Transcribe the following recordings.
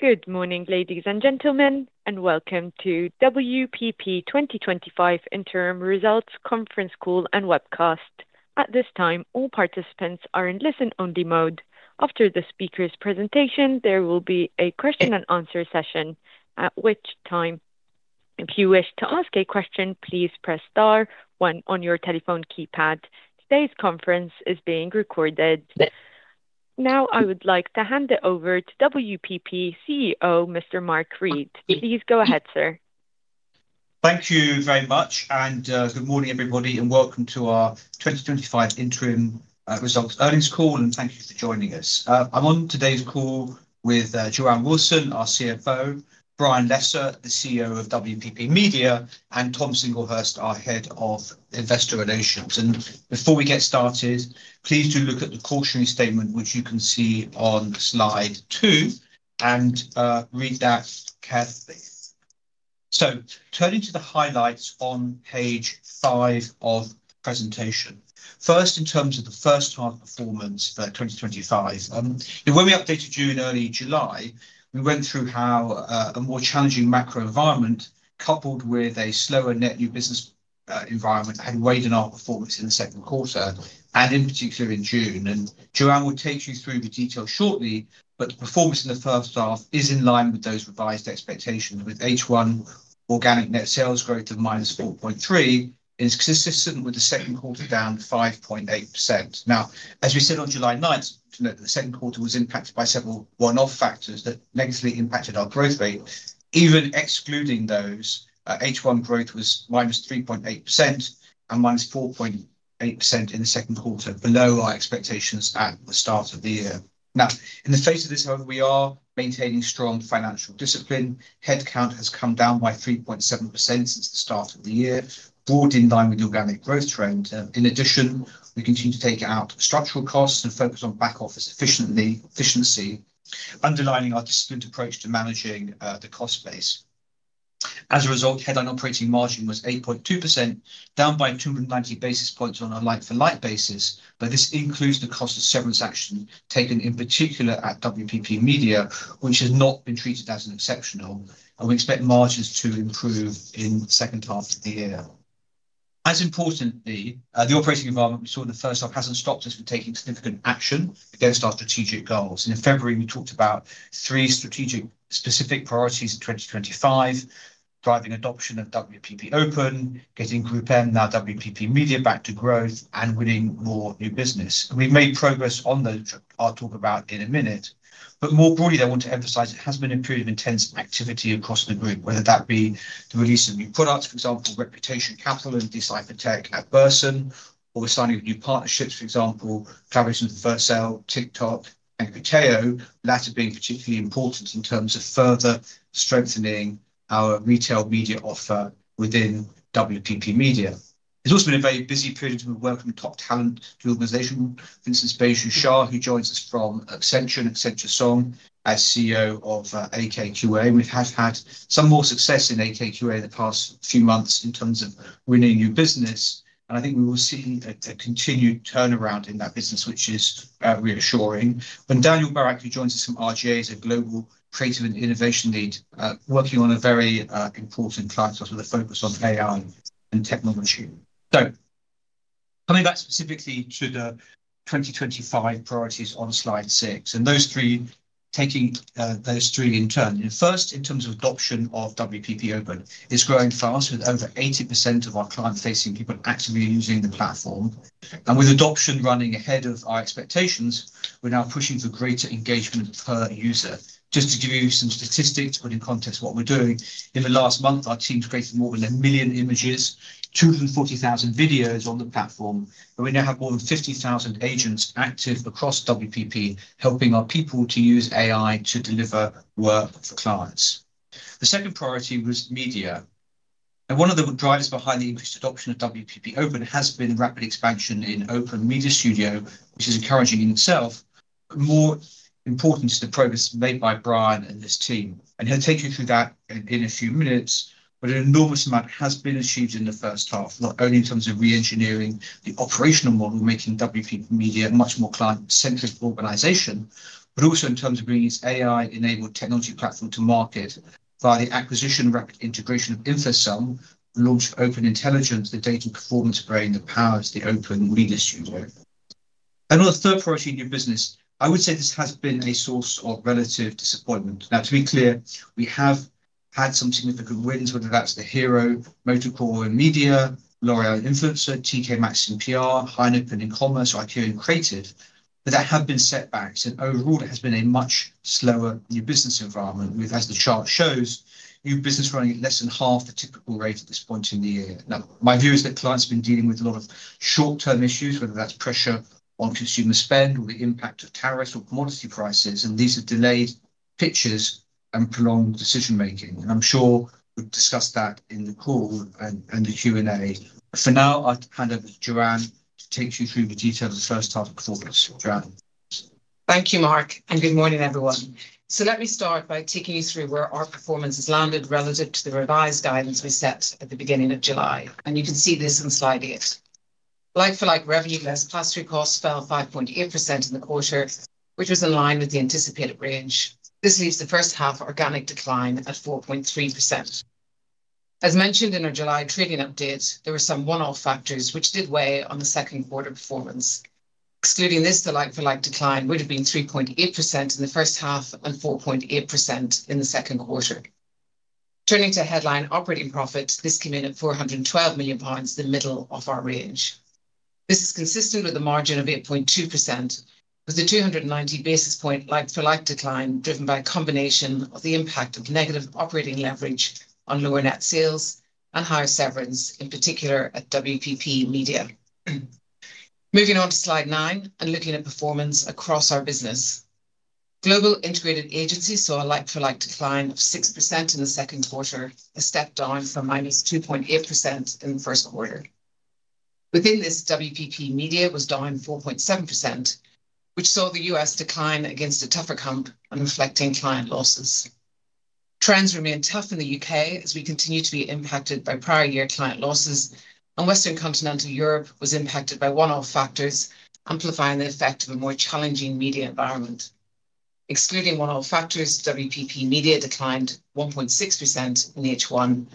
Good morning, ladies and gentlemen, and welcome to WPP 2025 interim results conference call and webcast. At this time, all participants are in listen-only mode. After the speaker's presentation, there will be a question-and-answer session. At that time, if you wish to ask a question, please press star one on your telephone keypad. Today's conference is being recorded. Now, I would like to hand it over to WPP CEO, Mr. Mark Read. Please go ahead, sir. Thank you very much, and good morning, everybody, and welcome to our 2025 interim results earnings call, and thank you for joining us. I'm on today's call with Joanne Wilson, our CFO, Brian Lesser, the CEO of WPP Media, and Tom Singlehurst, our Head of Investor Relations. Before we get started, please do look at the cautionary statement, which you can see on slide two, and read that, Kath. Turning to the highlights on page five of the presentation. First, in terms of the first half performance for 2025, when we updated June and early July, we went through how a more challenging macro environment, coupled with a slower net new business environment, had weighed in our performance in the second quarter, in particular in June. Joanne will take you through the details shortly, but the performance in the first half is in line with those revised expectations, with H1 organic net sales growth of -4.3%, consistent with the second quarter, down 5.8%. As we said on July 9th, note that the second quarter was impacted by several one-off factors that negatively impacted our growth rate. Even excluding those, H1 growth was -3.8% and -4.8% in the second quarter, below our expectations at the start of the year. In the face of this, however, we are maintaining strong financial discipline. Headcount has come down by 3.7% since the start of the year, brought in line with the organic growth trend. In addition, we continue to take out structural costs and focus on back office efficiency, underlining our disciplined approach to managing the cost base. As a result, headline operating margin was 8.2%, down by 290 basis points on a like-for-like basis, but this includes the cost of severance action taken in particular at WPP Media, which has not been treated as an exceptional. We expect margins to improve in the second half of the year. As importantly, the operating environment we saw in the first half hasn't stopped us from taking significant action against our strategic goals. In February, we talked about three strategic specific priorities for 2025: driving adoption of WPP Open, getting GroupM, now WPP Media, back to growth, and winning more new business. We've made progress on those that I'll talk about in a minute. More broadly, I want to emphasize it has been a period of intense activity across the group, whether that be the release of new products, for example, Reputation Capital and Decipher Tech at Burson, or the signing of new partnerships, for example, collaborations with Vercel, TikTok, and Criteo, the latter being particularly important in terms of further strengthening our retail media offer within WPP Media. It's also been a very busy period as we've worked with top talent for the organization, for instance, Baiju Shah, who joins us from Accenture as CEO of AKQA. We have had some more success in AKQA in the past few months in terms of winning new business. I think we will see a continued turnaround in that business, which is reassuring. Daniel Barak, who joins us from R/GA, a Global Creative & Innovation Lead working on a very important client source with a focus on AI and technology. Coming back specifically to the 2025 priorities on slide six, and those three, taking those three in turn. First, in terms of adoption of WPP Open, it's growing fast, with over 80% of our client-facing people actively using the platform. With adoption running ahead of our expectations, we're now pushing for greater engagement per user. Just to give you some statistics, to put in context what we're doing, in the last month, our teams created more than a million images, 240,000 videos on the platform, and we now have more than 50,000 agents active across WPP, helping our people to use AI to deliver work for clients. The second priority was media. One of the drivers behind the increased adoption of WPP Open has been rapid expansion in Open Media Studio, which is encouraging in itself, but more important to the progress made by Brian and his team. He'll take you through that in a few minutes. An enormous amount has been achieved in the first half, not only in terms of re-engineering the operational model, making WPP Media a much more client-centric organization, but also in terms of bringing its AI-enabled technology platform to market via the acquisition and rapid integration of InfoSum, launched Open Intelligence, the data performance offering that powers the Open Media Studio. On the third priority in new business, I would say this has been a source of relative disappointment. Now, to be clear, we have had some significant wins, whether that's the Hero MotoCorp in Media, L'Oréal Influencer, TK Maxx and PR, Heineken in Commerce, or IKEA in Creative. There have been setbacks, and overall, there has been a much slower new business environment, with, as the chart shows, new business running at less than half the typical rate at this point in the year. My view is that clients have been dealing with a lot of short-term issues, whether that's pressure on consumer spend or the impact of tariffs or commodity prices, and these have delayed pitches and prolonged decision-making. I'm sure we'll discuss that in the call and the Q&A. For now, I'll hand over to Joanne to take you through the detail of the first half performance. Joanne. Thank you, Mark, and good morning, everyone. Let me start by taking you through where our performance has landed relative to the revised guidance we set at the beginning of July, and you can see this in slide eight. Like-for-like revenue less class three costs fell 5.8% in the quarter, which was in line with the anticipated range. This leaves the first half organic decline at 4.3%. As mentioned in our July trading update, there were some one-off factors which did weigh on the second quarter performance. Excluding this, the like-for-like decline would have been 3.8% in the first half and 4.8% in the second quarter. Turning to headline operating profits, this came in at 412 million pounds in the middle of our range. This is consistent with a margin of 8.2%, with a 290 basis point like-for-like decline driven by a combination of the impact of negative operating leverage on lower net sales and higher severance, in particular at WPP Media. Moving on to slide nine and looking at performance across our business. Global Integrated Agencies saw a like-for-like decline of 6% in the second quarter, a step down from -2.8% in the first quarter. Within this, WPP Media was down 4.7%, which saw the U.S. decline against a tougher comp and reflecting client losses. Trends remain tough in the U.K. as we continue to be impacted by prior year client losses, and Western Continental Europe was impacted by one-off factors, amplifying the effect of a more challenging media environment. Excluding one-off factors, WPP Media declined 1.6% in H1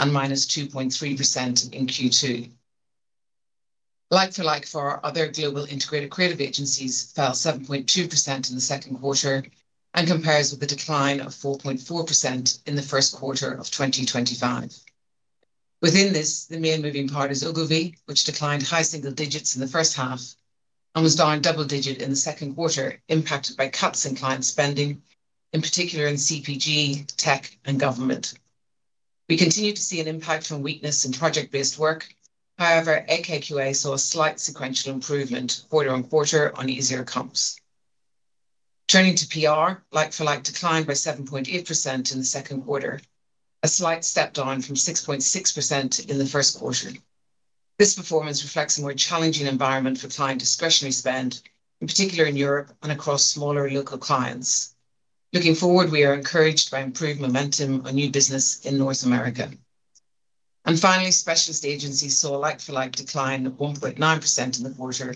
and -2.3% in Q2. Like-for-like for other global integrated creative agencies fell 7.2% in the second quarter and compares with the decline of 4.4% in the first quarter of 2025. Within this, the main moving part is Ogilvy, which declined high single digits in the first half and was down double digit in the second quarter, impacted by cuts in client spending, in particular in CPG, Tech and Government. We continue to see an impact from weakness in project-based work. However, AKQA saw a slight sequential improvement quarter on quarter on easier comps. Turning to PR, like-for-like declined by 7.8% in the second quarter, a slight step down from 6.6% in the first quarter. This performance reflects a more challenging environment for client discretionary spend, in particular in Europe and across smaller local clients. Looking forward, we are encouraged by improved momentum on new business in North America. Specialist Agencies saw a like-for-like decline of 1.9% in the quarter,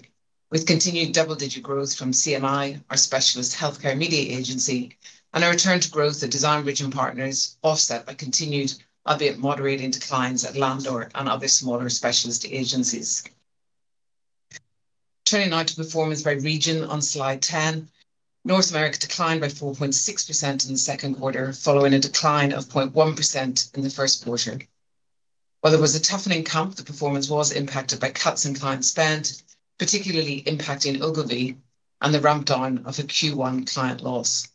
with continued double-digit growth from CMI, our specialist healthcare media agency, and a return to growth at Design Bridge and Partners, offset by continued other moderating declines at Landor and other smaller specialist agencies. Turning to performance by region on slide 10, North America declined by 4.6% in the second quarter, following a decline of 0.1% in the first quarter. While there was a toughening comp, the performance was impacted by cuts in client spend, particularly impacting Ogilvy and the ramp down of a Q1 client loss.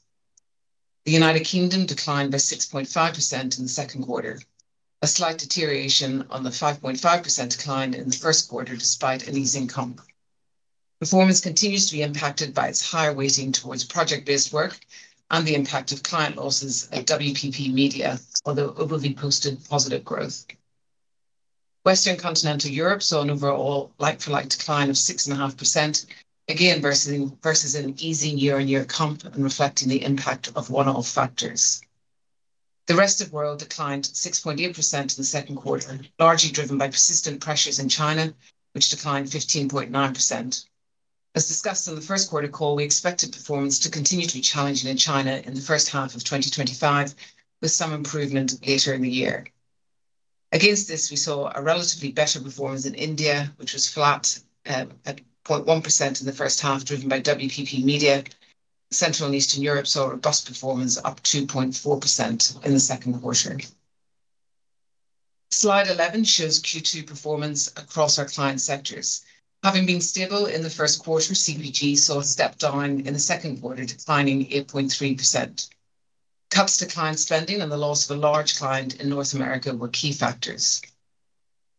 The United Kingdom declined by 6.5% in the second quarter, a slight deterioration on the 5.5% decline in the first quarter despite an easing comp. Performance continues to be impacted by its higher weighting towards project-based work and the impact of client losses at WPP Media, although Ogilvy posted positive growth. Western Continental Europe saw an overall like-for-like decline of 6.5%, again versus an easing year-on-year comp and reflecting the impact of one-off factors. The rest of the world declined 6.8% in the second quarter, largely driven by persistent pressures in China, which declined 15.9%. As discussed in the first quarter call, we expected performance to continue to be challenging in China in the first half of 2025, with some improvement later in the year. Against this, we saw a relatively better performance in India, which was flat at 0.1% in the first half, driven by WPP Media. Central and Eastern Europe saw a robust performance, up 2.4% in the second quarter. Slide 11 shows Q2 performance across our client sectors. Having been stable in the first quarter, CPG saw a step down in the second quarter, declining 8.3%. Cuts to client spending and the loss of a large client in North America were key factors.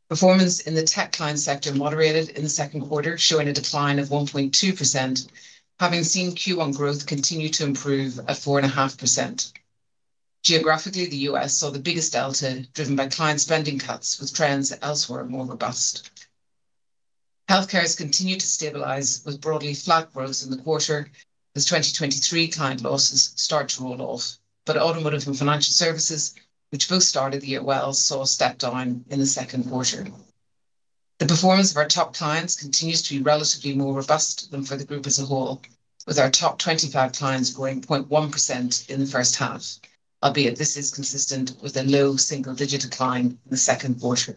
Performance in the tech client sector moderated in the second quarter, showing a decline of 1.2%, having seen Q1 growth continue to improve at 4.5%. Geographically, the U.S. saw the biggest delta driven by client spending cuts, with trends elsewhere more robust. Healthcare has continued to stabilize with broadly flat growth in the quarter as 2023 client losses start to roll off. Automotive and Financial Services, which both started the year well, saw a step down in the second quarter. The performance of our top clients continues to be relatively more robust than for the group as a whole, with our top 25 clients growing 0.1% in the first half, albeit this is consistent with a low single-digit decline in the second quarter.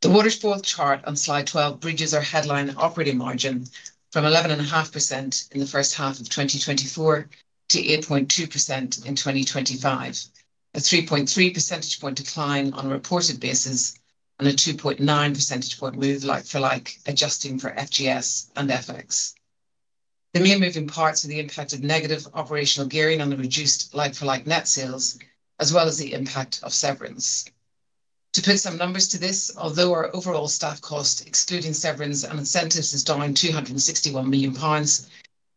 The waterfall chart on slide 12 bridges our headline operating margin from 11.5% in the first half of 2024 to 8.2% in 2025, a 3.3% decline on a reported basis and a 2.9% move like-for-like, adjusting for FGS and FX. The main moving parts are the impact of negative operational gearing on the reduced like-for-like net sales, as well as the impact of severance. To put some numbers to this, although our overall staff cost, excluding severance and incentives, is down 261 million pounds,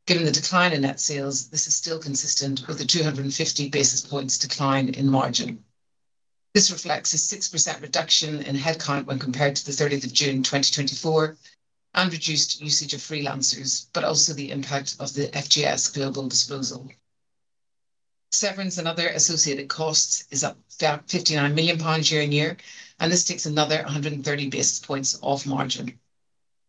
given the decline in net sales, this is still consistent with the 250 basis points decline in margin. This reflects a 6% reduction in headcount when compared to the 30th of June 2024 and reduced usage of freelancers, but also the impact of the FGS Global disposal. Severance and other associated costs are up to 59 million pounds year-on-year, and this takes another 130 basis points of margin.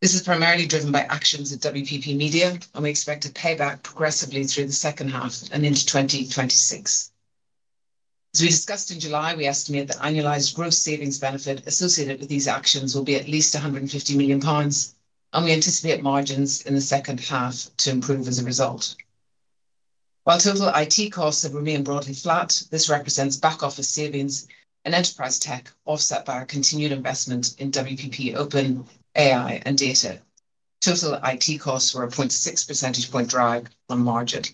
This is primarily driven by actions at WPP Media, and we expect to pay back progressively through the second half and into 2026. As we discussed in July, we estimate the annualized gross savings benefit associated with these actions will be at least 150 million pounds, and we anticipate margins in the second half to improve as a result. While total IT costs have remained broadly flat, this represents back office savings and enterprise tech offset by our continued investment in WPP Open, AI, and data. Total IT costs were a 0.6% drag on margin.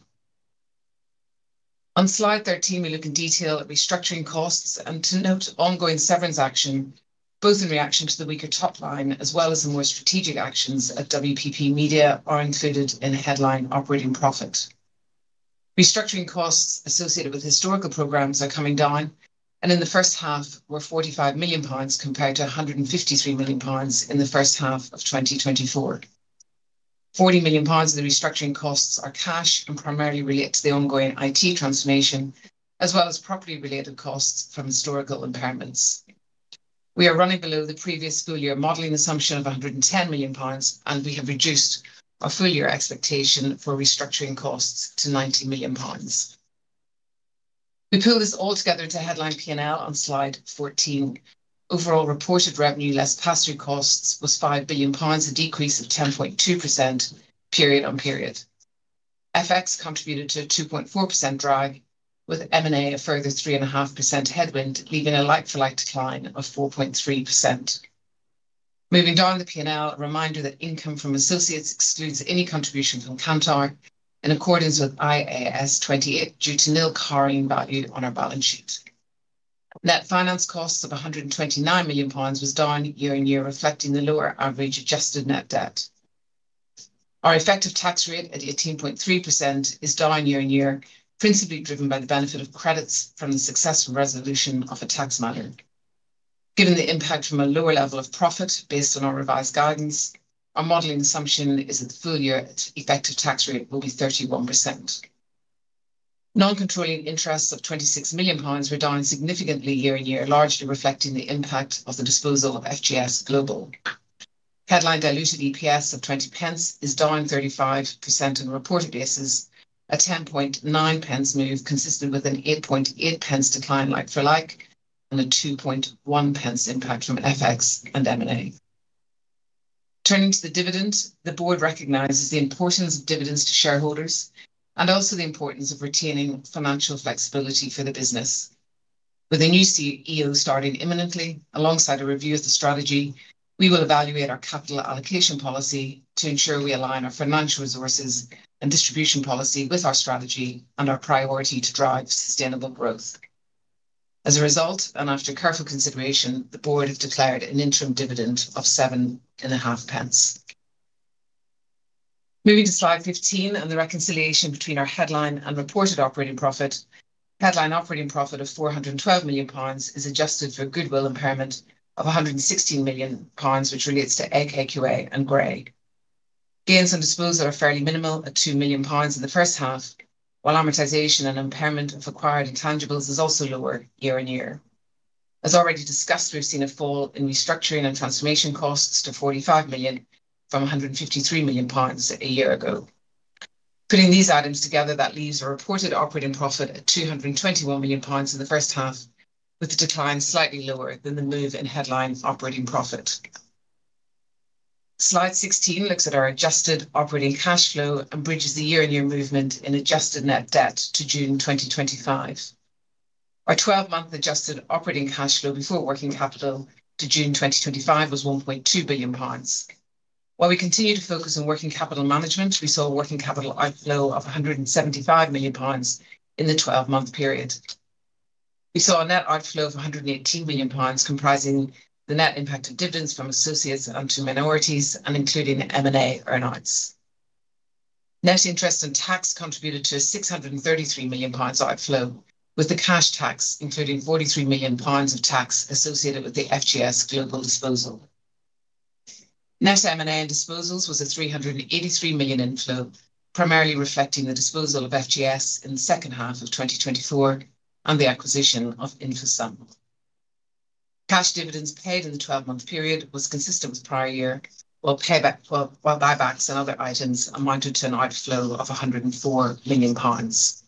On slide 13, we look in detail at restructuring costs and to note ongoing severance action, both in reaction to the weaker top line as well as the more strategic actions at WPP Media are included in headline operating profit. Restructuring costs associated with historical programs are coming down, and in the first half were GBP 45 million compared to GBP 153 million in the first half of 2024. 40 million pounds of the restructuring costs are cash and primarily related to the ongoing IT transformation, as well as property-related costs from historical impairments. We are running below the previous school year modeling assumption of 110 million pounds, and we have reduced our full year expectation for restructuring costs to 90 million pounds. We pull this all together to headline P&L on slide 14. Overall reported revenue less pass-through costs was 5 billion pounds, a decrease of 10.2% period on period. FX contributed to a 2.4% drag, with M&A a further 3.5% headwind, leaving a like-for-like decline of 4.3%. Moving down the P&L, a reminder that income from associates excludes any contribution from Kantar in accordance with IAS 28 due to nil carrying value on our balance sheet. Net finance costs of 129 million pounds was down year on year, reflecting the lower average adjusted net debt. Our effective tax rate at 18.3% is down year on year, principally driven by the benefit of credits from the successful resolution of a tax matter. Given the impact from a lower level of profit based on our revised guidance, our modeling assumption is that the full year effective tax rate will be 31%. Non-controlling interests of 26 million pounds were down significantly year on year, largely reflecting the impact of the disposal of FGS Global. Headline diluted EPS of 20 pence is down 35% in reported basis, a 10.9 pence move, consistent with an 8.8 pence decline like-for-like, and a 2.1 pence impact from FX and M&A. Turning to the dividend, the board recognizes the importance of dividends to shareholders and also the importance of retaining financial flexibility for the business. With a new CEO starting imminently, alongside a review of the strategy, we will evaluate our capital allocation policy to ensure we align our financial resources and distribution policy with our strategy and our priority to drive sustainable growth. As a result, and after careful consideration, the board has declared an interim dividend of 7.5 pence. Moving to slide 15 and the reconciliation between our headline and reported operating profit, headline operating profit of 412 million pounds is adjusted for a goodwill impairment of 116 million pounds, which relates to AKQA and Grey. Gains on disposal are fairly minimal at 2 million pounds in the first half, while amortization and impairment of acquired intangibles is also lower year-on-year. As already discussed, we've seen a fall in restructuring and transformation costs to 45 million from 153 million pounds a year ago. Putting these items together, that leaves a reported operating profit at 221 million pounds in the first half, with the decline slightly lower than the move in headline operating profit. Slide 16 looks at our adjusted operating cash flow and bridges the year-on-year movement in adjusted net debt to June 2025. Our 12-month adjusted operating cash flow before working capital to June 2025 was 1.2 billion pounds. While we continue to focus on working capital management, we saw a working capital outflow of 175 million pounds in the 12-month period. We saw a net outflow of 118 million pounds, comprising the net impact of dividends from associates and to minorities and including M&A earnings. Net interest and tax contributed to a 633 million pounds outflow, with the cash tax including 43 million pounds of tax associated with the FGS Global disposal. Net M&A and disposals was a 383 million inflow, primarily reflecting the disposal of FGS in the second half of 2024 and the acquisition of InfoSum. Cash dividends paid in the 12-month period was consistent with prior year, while buybacks and other items amounted to an outflow of 104 million pounds.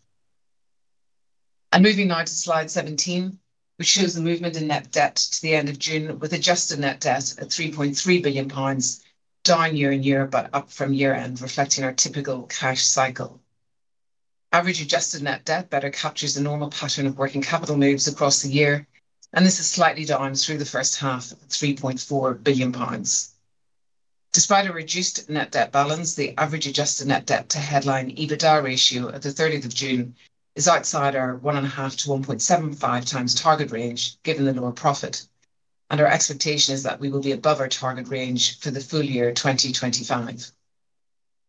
Moving now to slide 17, which shows the movement in net debt to the end of June, with adjusted net debt at 3.3 billion pounds, down year-on-year but up from year end, reflecting our typical cash cycle. Average adjusted net debt better captures the normal pattern of working capital moves across the year, and this is slightly down through the first half at 3.4 billion pounds. Despite a reduced net debt balance, the average adjusted net debt to headline EBITDA ratio at the 30th of June is outside our 1.5x-1.75x target range, given the lower profit. Our expectation is that we will be above our target range for the full year 2025.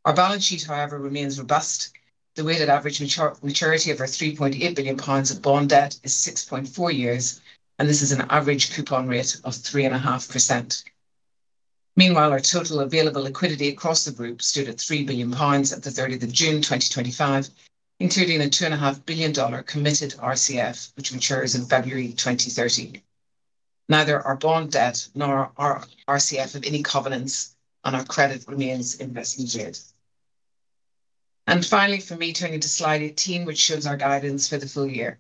Our balance sheet, however, remains robust. The weighted average maturity of our 3.8 billion pounds of bond debt is 6.4 years, and this is an average coupon rate of 3.5%. Meanwhile, our total available liquidity across the group stood at 3 billion pounds at the 30th of June 2025, including a $2.5 billion committed RCF, which matures in February 2030. Neither our bond debt nor our RCF have any covenants on our credit remains invested yet. Finally, for me, turning to slide 18, which shows our guidance for the full year.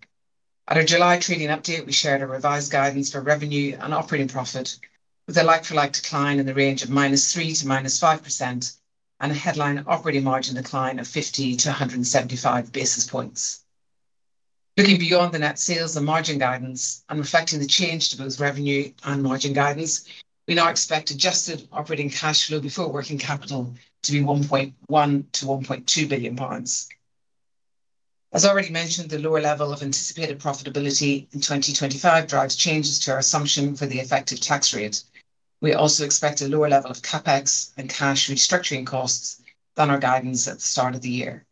At our July trading update, we shared a revised guidance for revenue and operating profit, with a like-for-like decline in the range of -3% to -5% and a headline operating margin decline of 50-175 basis points. Looking beyond the net sales and margin guidance and reflecting the change to both revenue and margin guidance, we now expect adjusted operating cash flow before working capital to be 1.1 billion-1.2 billion pounds. As already mentioned, the lower level of anticipated profitability in 2025 drives changes to our assumption for the effective tax rate. We also expect a lower level of CapEx and cash restructuring costs than our guidance at the start of the year.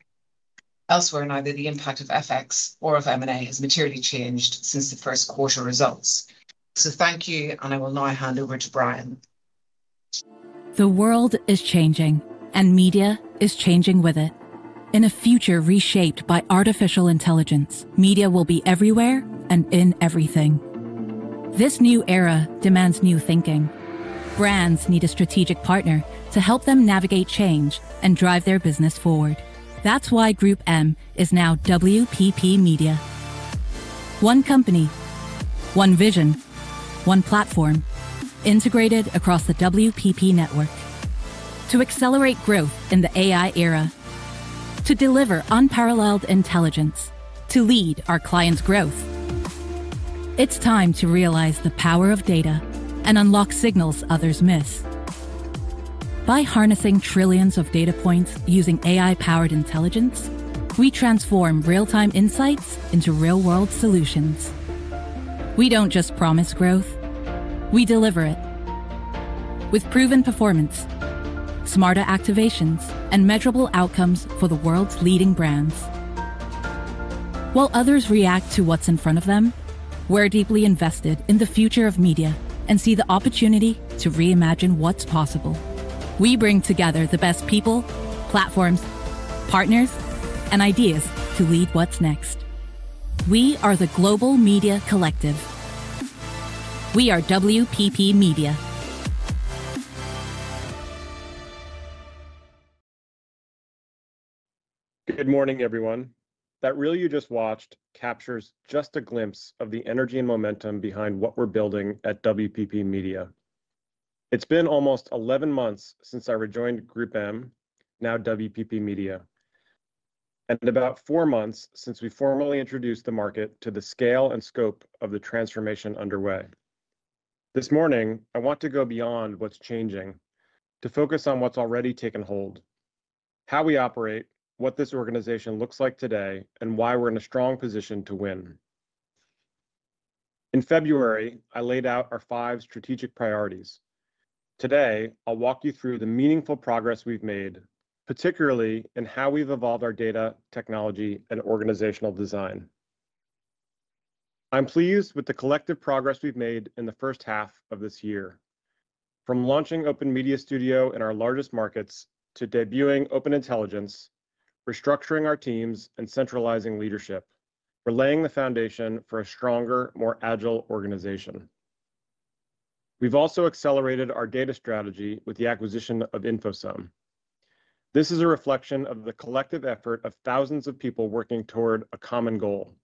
Elsewhere, neither the impact of FX or of M&A has materially changed since the first quarter results. Thank you, I will now hand over to Brian. The world is changing, and media is changing with it. In a future reshaped by artificial intelligence, media will be everywhere and in everything. This new era demands new thinking. Brands need a strategic partner to help them navigate change and drive their business forward. That's why GroupM is now WPP Media. One company, one vision, one platform integrated across the WPP network. To accelerate growth in the AI era, to deliver unparalleled intelligence, to lead our clients' growth, it's time to realize the power of data and unlock signals others miss. By harnessing trillions of data points using AI-powered intelligence, we transform real-time insights into real-world solutions. We don't just promise growth, we deliver it with proven performance, smarter activations, and measurable outcomes for the world's leading brands. While others react to what's in front of them, we're deeply invested in the future of media and see the opportunity to reimagine what's possible. We bring together the best people, platforms, partners, and ideas to lead what's next. We are the global media collective. We are WPP Media. Good morning, everyone. That reel you just watched captures just a glimpse of the energy and momentum behind what we're building at WPP Media. It's been almost 11 months since I rejoined GroupM, now WPP Media, and about four months since we formally introduced the market to the scale and scope of the transformation underway. This morning, I want to go beyond what's changing to focus on what's already taken hold, how we operate, what this organization looks like today, and why we're in a strong position to win. In February, I laid out our five strategic priorities. Today, I'll walk you through the meaningful progress we've made, particularly in how we've evolved our data, technology, and organizational design. I'm pleased with the collective progress we've made in the first half of this year. From launching Open Media Studio in our largest markets to debuting Open Intelligence, restructuring our teams, and centralizing leadership, we're laying the foundation for a stronger, more agile organization. We've also accelerated our data strategy with the acquisition of InfoSum. This is a reflection of the collective effort of thousands of people working toward a common goal.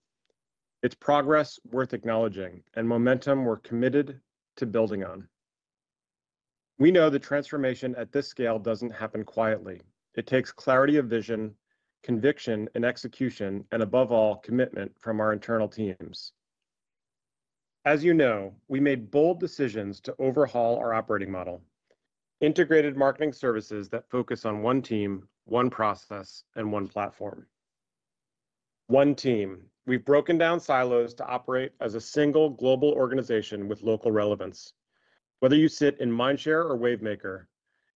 It's progress worth acknowledging and momentum we're committed to building on. We know that transformation at this scale doesn't happen quietly. It takes clarity of vision, conviction in execution, and above all, commitment from our internal teams. As you know, we made bold decisions to overhaul our operating model, integrated marketing services that focus on one team, one process, and one platform. One team, we've broken down silos to operate as a single global organization with local relevance. Whether you sit in Mindshare or Wavemaker,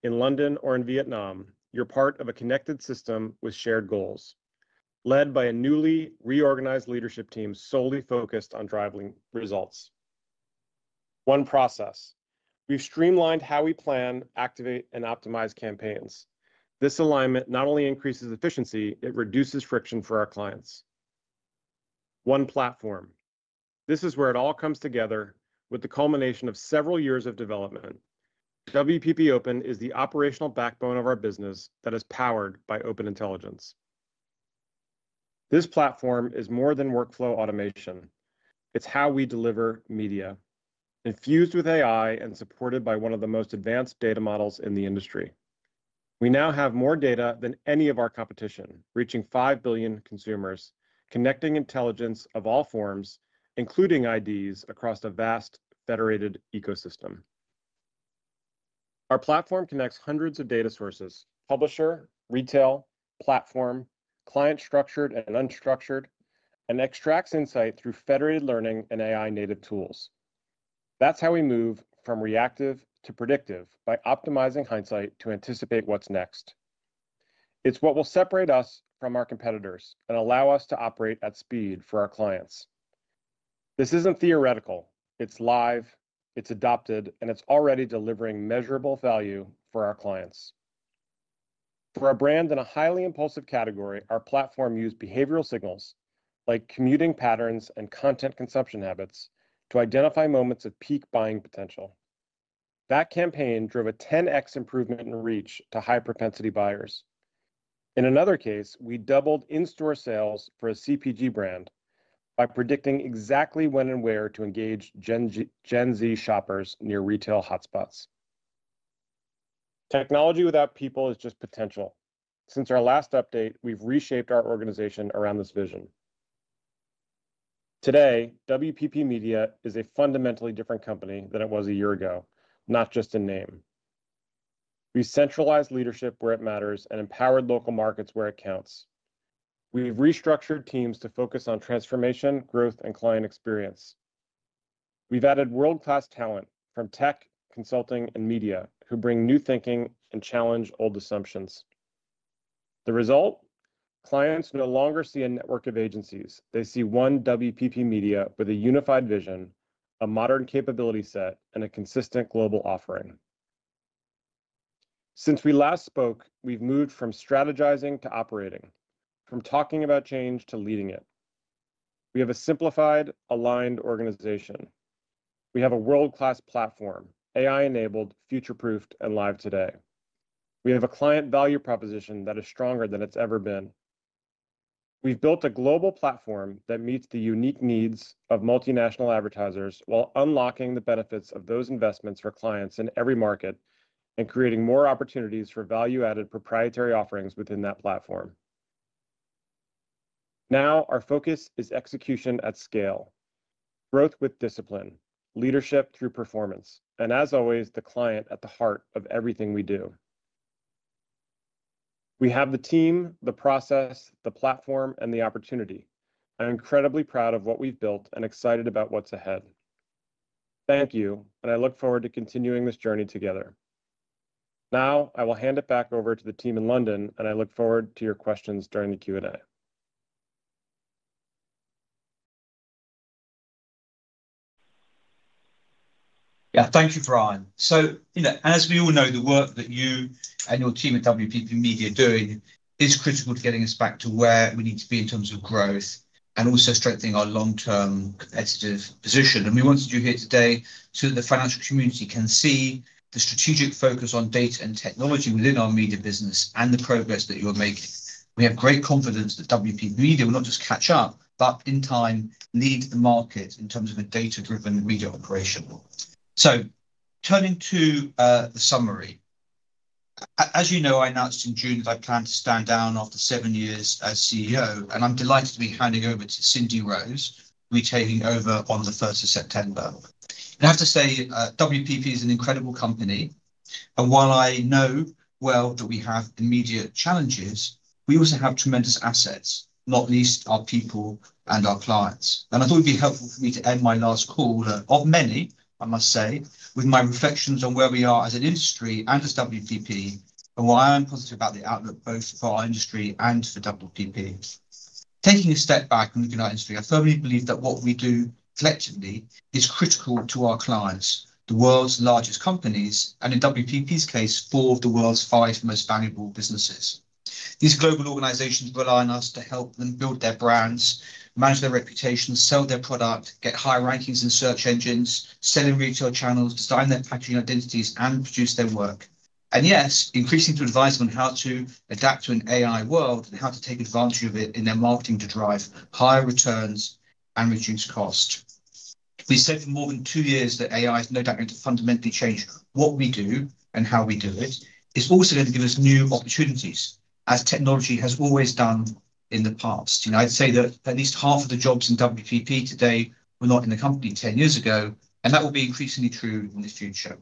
in London or in Vietnam, you're part of a connected system with shared goals, led by a newly reorganized leadership team solely focused on driving results. One process, we've streamlined how we plan, activate, and optimize campaigns. This alignment not only increases efficiency, it reduces friction for our clients. One platform, this is where it all comes together with the culmination of several years of development. WPP Open is the operational backbone of our business that is powered by Open Intelligence. This platform is more than workflow automation. It's how we deliver media, infused with AI and supported by one of the most advanced data models in the industry. We now have more data than any of our competition, reaching 5 billion consumers, connecting intelligence of all forms, including IDs across a vast federated ecosystem. Our platform connects hundreds of data sources, publisher, retail, platform, client structured and unstructured, and extracts insight through federated learning and AI-native tools. That's how we move from reactive to predictive by optimizing hindsight to anticipate what's next. It's what will separate us from our competitors and allow us to operate at speed for our clients. This isn't theoretical. It's live, it's adopted, and it's already delivering measurable value for our clients. For our brand in a highly impulsive category, our platform used behavioral signals like commuting patterns and content consumption habits to identify moments of peak buying potential. That campaign drove a 10x improvement in reach to high propensity buyers. In another case, we doubled in-store sales for a CPG brand by predicting exactly when and where to engage Gen Z shoppers near retail hotspots. Technology without people is just potential. Since our last update, we've reshaped our organization around this vision. Today, WPP Media is a fundamentally different company than it was a year ago, not just in name. We centralize leadership where it matters and empower local markets where it counts. We've restructured teams to focus on transformation, growth, and client experience. We've added world-class talent from tech, consulting, and media who bring new thinking and challenge old assumptions. The result? Clients no longer see a network of agencies. They see one WPP Media with a unified vision, a modern capability set, and a consistent global offering. Since we last spoke, we've moved from strategizing to operating, from talking about change to leading it. We have a simplified, aligned organization. We have a world-class platform, AI-enabled, future-proofed, and live today. We have a client value proposition that is stronger than it's ever been. We've built a global platform that meets the unique needs of multinational advertisers while unlocking the benefits of those investments for clients in every market and creating more opportunities for value-added proprietary offerings within that platform. Now, our focus is execution at scale, growth with discipline, leadership through performance, and as always, the client at the heart of everything we do. We have the team, the process, the platform, and the opportunity. I'm incredibly proud of what we've built and excited about what's ahead. Thank you, and I look forward to continuing this journey together. Now, I will hand it back over to the team in London, and I look forward to your questions during the Q&A. Thank you, Brian. As we all know, the work that you and your team at WPP Media are doing is critical to getting us back to where we need to be in terms of growth and also strengthening our long-term competitive position. We wanted you here today so that the financial community can see the strategic focus on data and technology within our media business and the progress that you're making. We have great confidence that WPP Media will not just catch up, but in time lead the market in terms of a data-driven media operation. Turning to the summary, as you know, I announced in June that I plan to stand down after seven years as CEO, and I'm delighted to be handing over to Cindy Rose to be taking over on the 1st of September. I have to say, WPP is an incredible company. While I know well that we have immediate challenges, we also have tremendous assets, not least our people and our clients. I thought it'd be helpful for me to end my last call of many, I must say, with my reflections on where we are as an industry and as WPP, and what I am positive about the outlook both for our industry and for WPP. Taking a step back from the United States, I firmly believe that what we do collectively is critical to our clients, the world's largest companies, and in WPP's case, four of the world's five most valuable businesses. These global organizations rely on us to help them build their brands, manage their reputation, sell their product, get high rankings in search engines, sell in retail channels, design their packaging identities, and produce their work. Yes, increasingly to advise them on how to adapt to an AI world and how to take advantage of it in their marketing to drive higher returns and reduce cost. We said for more than two years that AI is no doubt going to fundamentally change what we do and how we do it. It's also going to give us new opportunities, as technology has always done in the past. I'd say that at least half of the jobs in WPP today were not in the company 10 years ago, and that will be increasingly true in the future.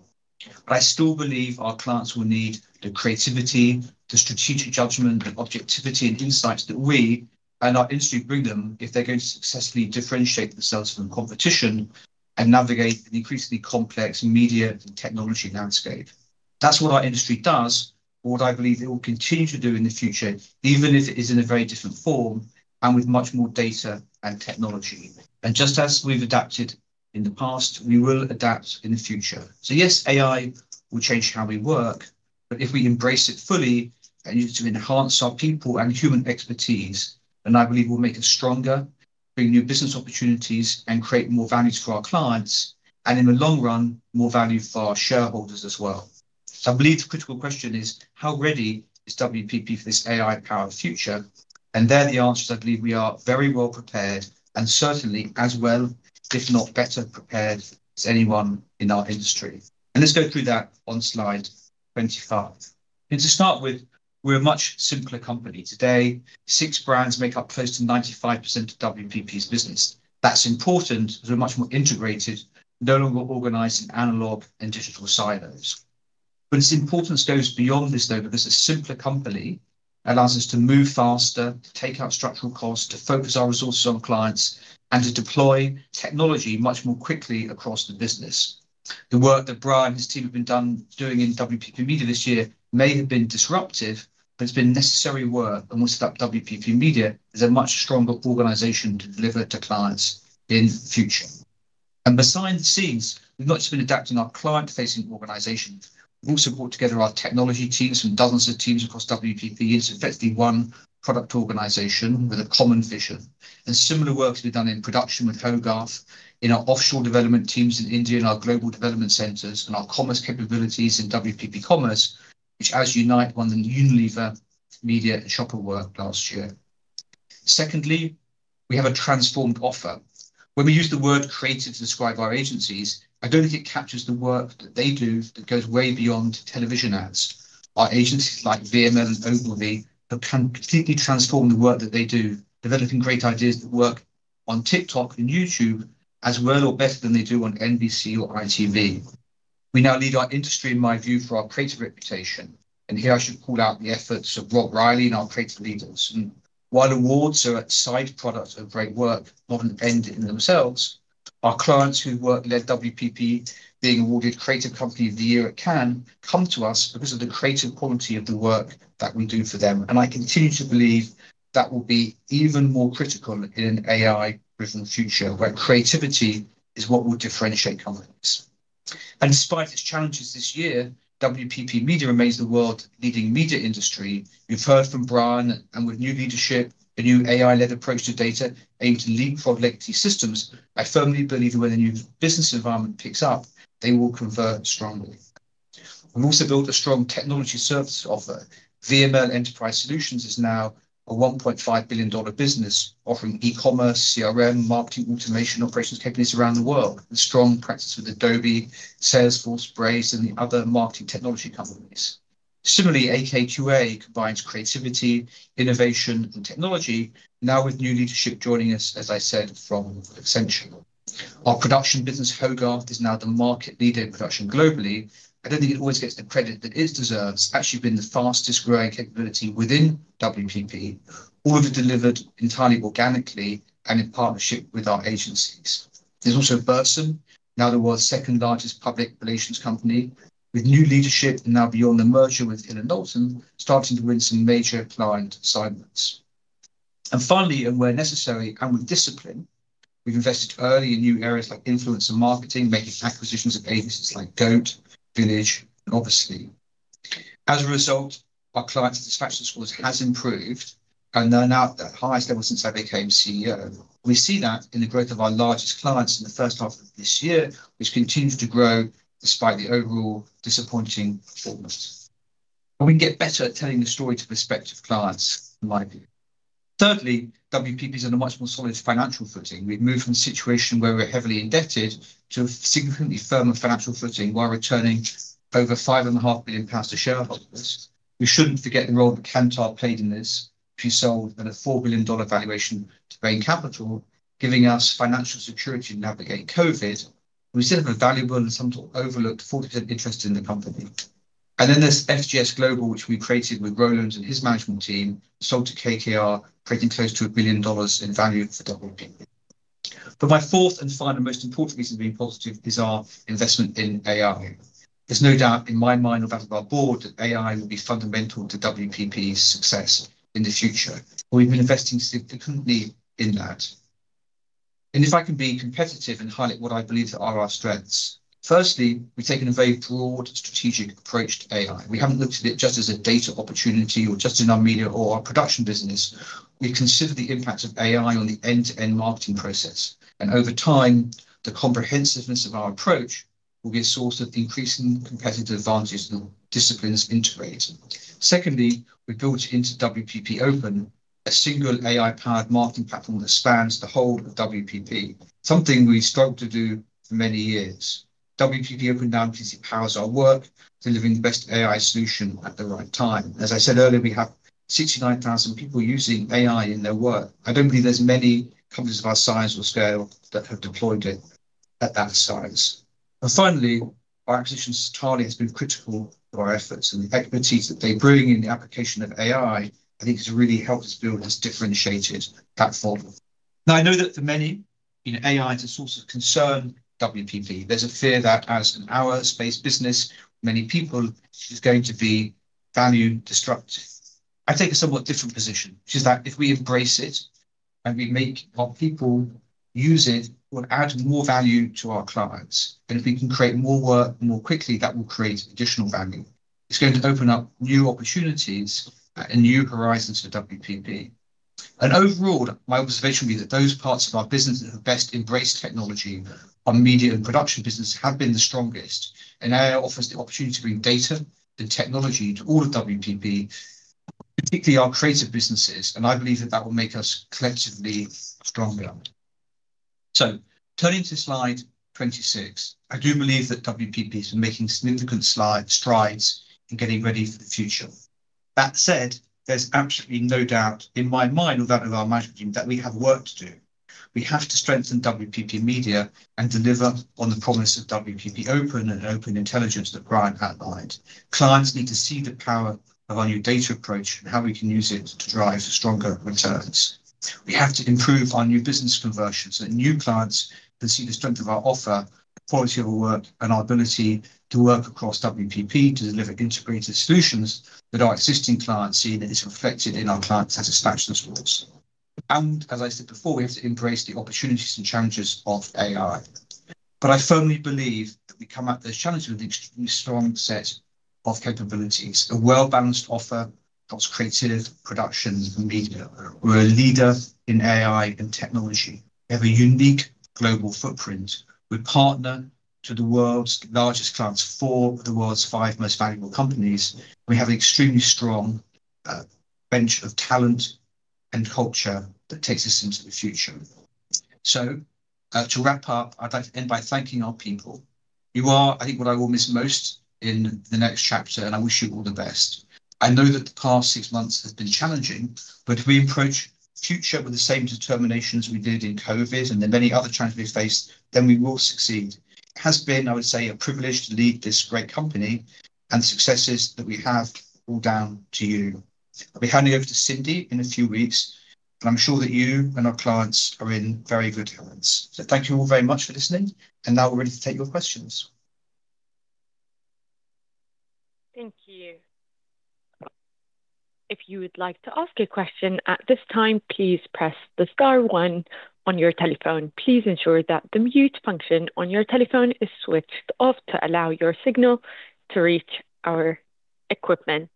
I still believe our clients will need the creativity, the strategic judgment, the objectivity, and insights that we and our industry bring them if they're going to successfully differentiate themselves from competition and navigate an increasingly complex media and technology landscape. That's what our industry does, or what I believe it will continue to do in the future, even if it is in a very different form and with much more data and technology. Just as we've adapted in the past, we will adapt in the future. Yes, AI will change how we work, but if we embrace it fully and use it to enhance our people and human expertise, then I believe we'll make it stronger, bring new business opportunities, and create more value for our clients, and in the long run, more value for our shareholders as well. I believe the critical question is, how ready is WPP for this AI-powered future? There are the answers. I believe we are very well prepared and certainly as well, if not better prepared as anyone in our industry. Let's go through that on slide 25. To start with, we're a much simpler company. Today, six brands make up close to 95% of WPP's business. That's important as we're much more integrated, no longer organized in analog and digital silos. Its importance goes beyond this, though, because a simpler company allows us to move faster, take out structural costs, to focus our resources on clients, and to deploy technology much more quickly across the business. The work that Brian D. Lesser and his team have been doing in WPP Media this year may have been disruptive, but it's been necessary work, and will set up WPP Media as a much stronger organization to deliver to clients in the future. Behind the scenes, we've not just been adapting our client-facing organizations. We've also brought together our technology teams and dozens of teams across WPP, and it's effectively one product organization with a common vision. Similar work has been done in Production with Hogarth in our offshore development teams in India and our Global Development Centers and our commerce capabilities in WPP Commerce, which as Unite won the Unilever Media and Shopper award last year. Secondly, we have a transformed offer. When we use the word creative to describe our agencies, I don't think it captures the work that they do that goes way beyond television ads. Our agencies like VML and Ogilvy have completely transformed the work that they do, developing great ideas that work on TikTok and YouTube as well or better than they do on NBC or ITV. We now lead our industry, in my view, for our creative reputation. Here I should call out the efforts of Rob Reilly and our creative leaders. While awards are a side product of great work, not an end in themselves, our clients who work in WPP, being awarded Creative Company of the Year at Cannes, come to us because of the creative quality of the work that we do for them. I continue to believe that will be even more critical in an AI-driven future where creativity is what will differentiate companies. Despite its challenges this year, WPP Media remains the world's leading media industry. We've heard from Brian, and with new leadership, a new AI-led approach to data aimed to lead productivity systems, I firmly believe that when a new business environment picks up, they will convert strongly. We've also built a strong technology service offer. VML Enterprise Solutions is now a $1.5 billion business offering e-commerce, CRM, marketing automation operations capabilities around the world, with strong practice with Adobe, Salesforce, Braze, and the other marketing technology companies. Similarly, AKQA combines creativity, innovation, and technology, now with new leadership joining us, as I said, from Accenture. Our production business, Hogarth, is now the market leader in production globally. I don't think it always gets the credit that it deserves. It's actually been the fastest growing capability within WPP, all of it delivered entirely organically and in partnership with our agencies. There's also Burson, now the world's second largest public relations company, with new leadership and now beyond the merger with Hill & Knowlton, starting to win some major client assignments. Finally, and where necessary, and with discipline, we've invested early in new areas like influencer marketing, making acquisitions of agencies like Goat, Village, and Obviously. As a result, our client satisfaction scores have improved and are now at the highest level since I became CEO. We see that in the growth of our largest clients in the first half of this year, which continues to grow despite the overall disappointing performance. We can get better at telling the story to prospective clients, in my view. Thirdly, WPP is on a much more solid financial footing. We've moved from a situation where we're heavily indebted to a significantly firmer financial footing while returning over 5.5 million pounds to shareholders. We shouldn't forget the role that Kantar played in this to sell at a $4 billion valuation to Bain Capital, giving us financial security to navigate COVID. We still have a valuable and sometimes overlooked 40% interest in the company. There's FGS Global, which we created with Roland and his management team, sold to KKR, creating close to $1 billion in value for the whole company. My fourth and final, most important reason being positive is our investment in AI. There's no doubt in my mind or that of our board that AI will be fundamental to WPP's success in the future, or even investing significantly in that. If I can be competitive and highlight what I believe are our strengths, firstly, we've taken a very broad strategic approach to AI. We haven't looked at it just as a data opportunity or just in our media or our production business. We've considered the impacts of AI on the end-to-end marketing process. Over time, the comprehensiveness of our approach will be a source of increasing competitive advantages in the disciplines integrated. Secondly, we built into WPP Open a single AI-powered marketing platform that spans the whole of WPP, something we struggled to do for many years. WPP Open now powers our work, delivering the best AI solution at the right time. As I said earlier, we have 69,000 people using AI in their work. I don't believe there's many companies of our size or scale that have deployed it at that size. Finally, our acquisition of Satalia has been critical to our efforts, and the expertise that they bring in the application of AI, I think, has really helped us build this differentiated platform. I know that for many, AI is a source of concern for WPP. There's a fear that as an hour-based business, many people, it's going to be value-destructive. I take a somewhat different position, which is that if we embrace it and we make our people use it, we'll add more value to our clients. If we can create more work more quickly, that will create additional value. It's going to open up new opportunities and new horizons for WPP. Overall, my observation would be that those parts of our business that have best embraced technology, our media and production business have been the strongest, and AI offers the opportunity to bring data and technology to all of WPP, particularly our creative businesses. I believe that that will make us collectively stronger. Turning to slide 26, I do believe that WPP is making significant strides in getting ready for the future. That said, there's absolutely no doubt in my mind or that of our management team that we have work to do. We have to strengthen WPP Media and deliver on the promise of WPP Open and Open Intelligence that Brian outlined. Clients need to see the power of our new data approach and how we can use it to drive stronger returns. We have to improve our new business conversion so that new clients can see the strength of our offer, quality of our work, and our ability to work across WPP to deliver integrated solutions that our existing clients see is reflected in our client satisfaction scores. As I said before, we have to embrace the opportunities and challenges of AI. I firmly believe that we come at those challenges with an extremely strong set of capabilities, a well-balanced offer of creative productions and media. We're a leader in AI and technology. We have a unique global footprint. We partner with the world's largest clients, four of the world's five most valuable companies. We have an extremely strong bench of talent and culture that takes us into the future. To wrap up, I'd like to end by thanking our people. You are, I think, what I will miss most in the next chapter, and I wish you all the best. I know that the past six months have been challenging, but if we approach the future with the same determination we did in COVID and the many other challenges faced, we will succeed. It has been, I would say, a privilege to lead this great company, and the successes that we have fall down to you. I'll be handing over to Cindy in a few weeks, and I'm sure that you and our clients are in very good hands. Thank you all very much for listening, and now we're ready to take your questions. Thank you. If you would like to ask a question at this time, please press the star one on your telephone. Please ensure that the mute function on your telephone is switched off to allow your signal to reach our equipment.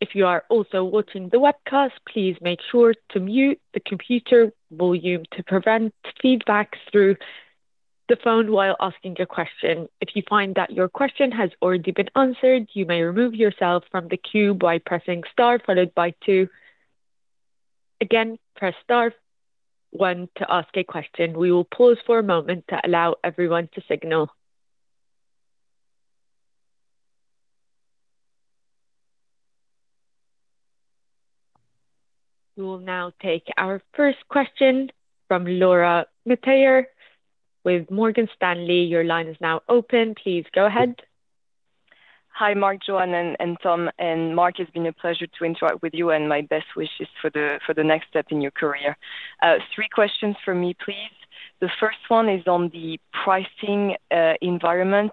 If you are also watching the webcast, please make sure to mute the computer volume to prevent feedback through the phone while asking a question. If you find that your question has already been answered, you may remove yourself from the queue by pressing star followed by two. Again, press star one to ask a question. We will pause for a moment to allow everyone to signal. We will now take our first question from Laura Metayer with Morgan Stanley. Your line is now open. Please go ahead. Hi, Mark, Joanne, and Tom. Mark, it's been a pleasure to interact with you, and my best wishes for the next step in your career. Three questions for me, please. The first one is on the pricing environment.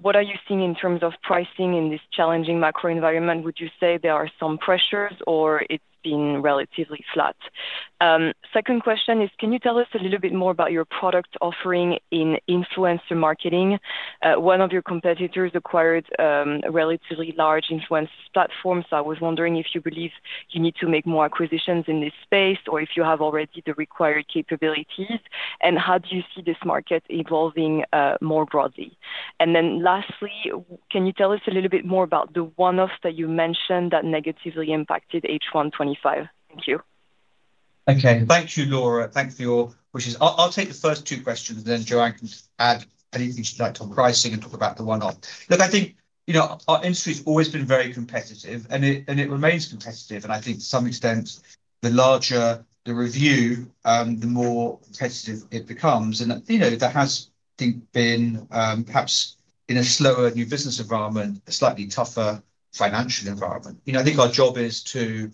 What are you seeing in terms of pricing in this challenging macro environment? Would you say there are some pressures or it's been relatively flat? Second question is, can you tell us a little bit more about your product offering in influencer marketing? One of your competitors acquired a relatively large influencer's platform, so I was wondering if you believe you need to make more acquisitions in this space or if you have already the required capabilities, and how do you see this market evolving more broadly? Lastly, can you tell us a little bit more about the one-off that you mentioned that negatively impacted H1 2025? Thank you. Thanks, James. Thank you, Laura. Thanks for your wishes. I'll take the first two questions, and then Joanne can add anything she'd like to talk about pricing and talk about the one-off. I think our industry has always been very competitive, and it remains competitive. I think to some extent, the larger the review, the more competitive it becomes. That has, I think, been perhaps in a slower new business environment, a slightly tougher financial environment. I think our job is to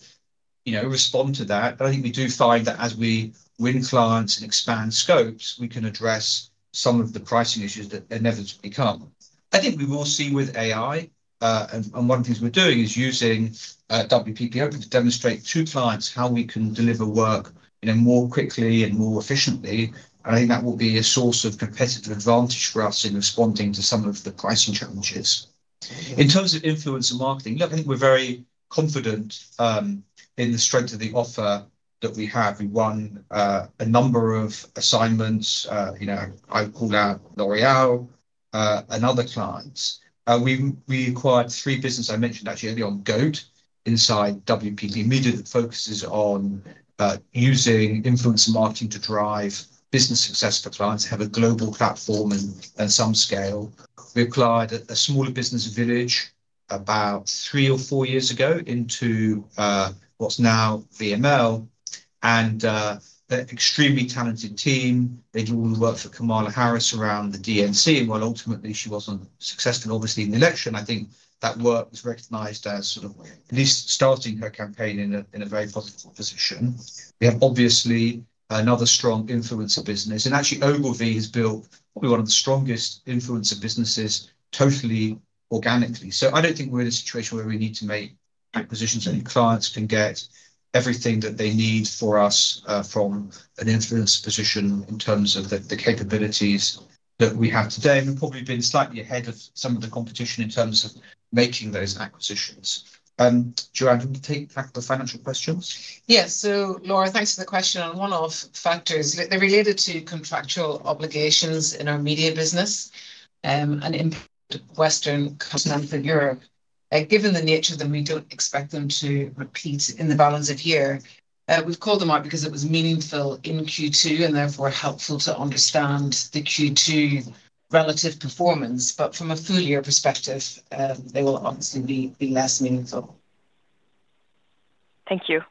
respond to that. I think we do find that as we win clients and expand scopes, we can address some of the pricing issues that inevitably come. I think we will see with AI, and one of the things we're doing is using WPP to demonstrate to clients how we can deliver work more quickly and more efficiently. I think that will be a source of competitive advantage for us in responding to some of the pricing challenges. In terms of influencer marketing, I think we're very confident in the strength of the offer that we have. We run a number of assignments. I would call out L'Oréal and other clients. We acquired three businesses I mentioned actually earlier on Goat, inside WPP Media that focuses on using influencer marketing to drive business success for clients to have a global platform and some scale. We acquired a smaller business Village about three or four years ago into what's now VML, and an extremely talented team. They do all the work for Kamala Harris around the DNC, and while ultimately she wasn't successful, obviously, in the election, I think that work was recognized as at least starting her campaign in a very positive position. We have obviously another strong influencer business, and actually Ogilvy has built one of the strongest influencer businesses totally organically. I don't think we're in a situation where we need to make acquisitions. I think clients can get everything that they need for us from an influencer position in terms of the capabilities that we have today. We've probably been slightly ahead of some of the competition in terms of making those acquisitions. Joanne, can you take back the financial questions? Yeah, Laura, thanks for the question. One of the factors is that they're related to contractual obligations in our media business and in Western Continental Europe. Given the nature of them, we don't expect them to repeat in the balance of year. We've called them out because it was meaningful in Q2 and therefore helpful to understand the Q2 relative performance. From a full year perspective, they will obviously be less meaningful. Thank you.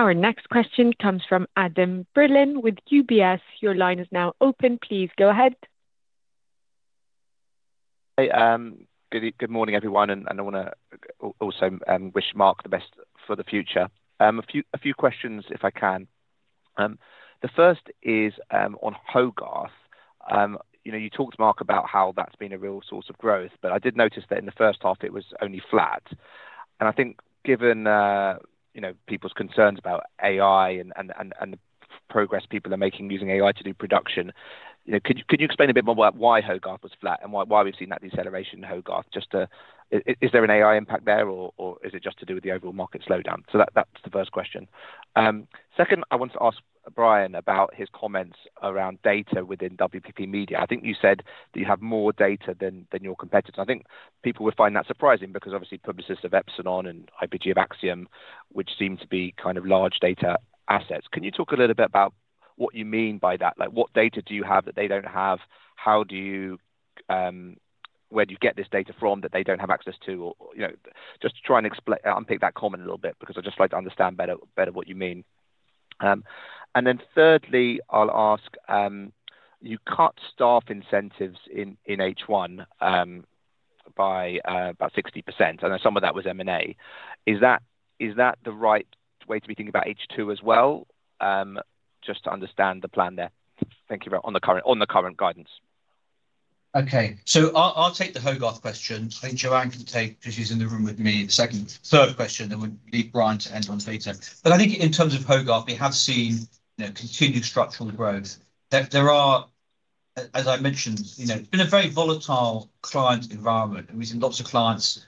Our next question comes from Adam Berlin with UBS. Your line is now open. Please go ahead. Hey, good morning everyone, and I want to also wish Mark the best for the future. A few questions if I can. The first is on Hogarth. You talked, Mark, about how that's been a real source of growth, but I did notice that in the first half it was only flat. I think given people's concerns about AI and the progress people are making using AI to do production, could you explain a bit more about why Hogarth was flat and why we've seen that deceleration in Hogarth? Is there an AI impact there, or is it just to do with the overall market slowdown? That's the first question. Second, I want to ask Brian about his comments around data within WPP Media. I think you said that you have more data than your competitors. I think people would find that surprising because obviously Publicis have Epsilon and IPG have Acxiom, which seem to be kind of large data assets. Can you talk a little bit about what you mean by that? What data do you have that they don't have? Where do you get this data from that they don't have access to? Just try and unpick that comment a little bit because I'd just like to understand better what you mean. Thirdly, I'll ask, you cut staff incentives in H1 by about 60%. I know some of that was M&A. Is that the right way to be thinking about H2 as well? Just to understand the plan there. Thank you on the current guidance. Okay. I'll take the Hogarth question. I think Joanne can take, because she's in the room with me, the second and third question, and we'll leave Brian to end on the data. I think in terms of Hogarth, we have seen continued structural growth. There are, as I mentioned, in a very volatile client environment, and we've seen lots of clients.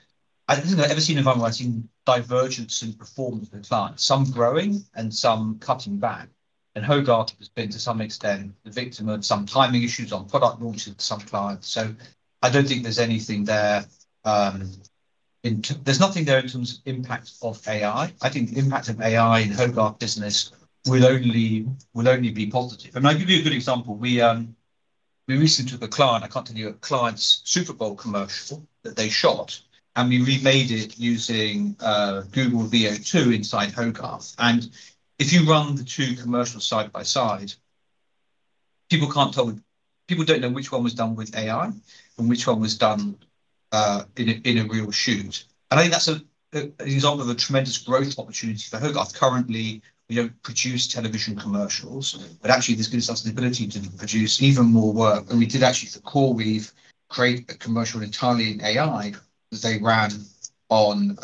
I don't think I've ever seen an environment where I've seen divergence in performance of the clients, some growing and some cutting back. Hogarth has been, to some extent, the victim of some timing issues on product launching to such clients. I don't think there's anything there. There's nothing there in terms of impact of AI. I think the impact of AI in Hogarth's business would only be positive. I'll give you a good example. We recently took a client, I can't tell you what, a client's Super Bowl commercial that they shot, and we remade it using Google Veo 2 inside Hogarth. If you run the two commercials side by side, people can't tell, people don't know which one was done with AI and which one was done in a real shoot. I think that's an example of a tremendous growth opportunity for Hogarth. Currently, we don't produce television commercials, but actually this gives us the ability to produce even more work. We did actually, for CoreWeave, create a commercial entirely in AI that they ran on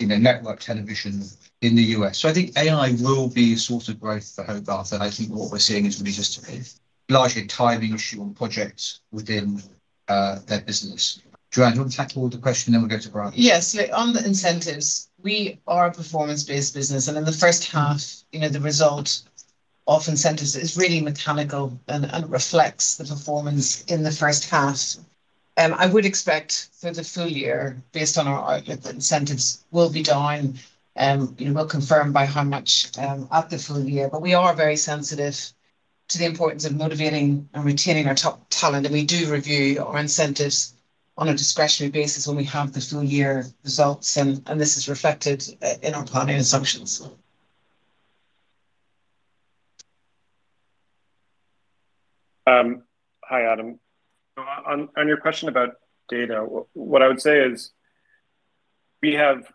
network television in the U.S. I think AI will be a source of growth for Hogarth. What we're seeing is really just largely a timing issue on projects within their business. Joanne, do you want to tackle the question and then we'll go to Brian? Yes, look, on the incentives, we are a performance-based business. In the first half, the result of incentives is really mechanical and reflects the performance in the first half. I would expect for the full year, based on our outlook, that incentives will be down, you know, will confirm by how much for the full year. We are very sensitive to the importance of motivating and retaining our top talent. We do review our incentives on a discretionary basis when we have the full year results. This is reflected in our planning assumptions. Hi, Adam. On your question about data, what I would say is we have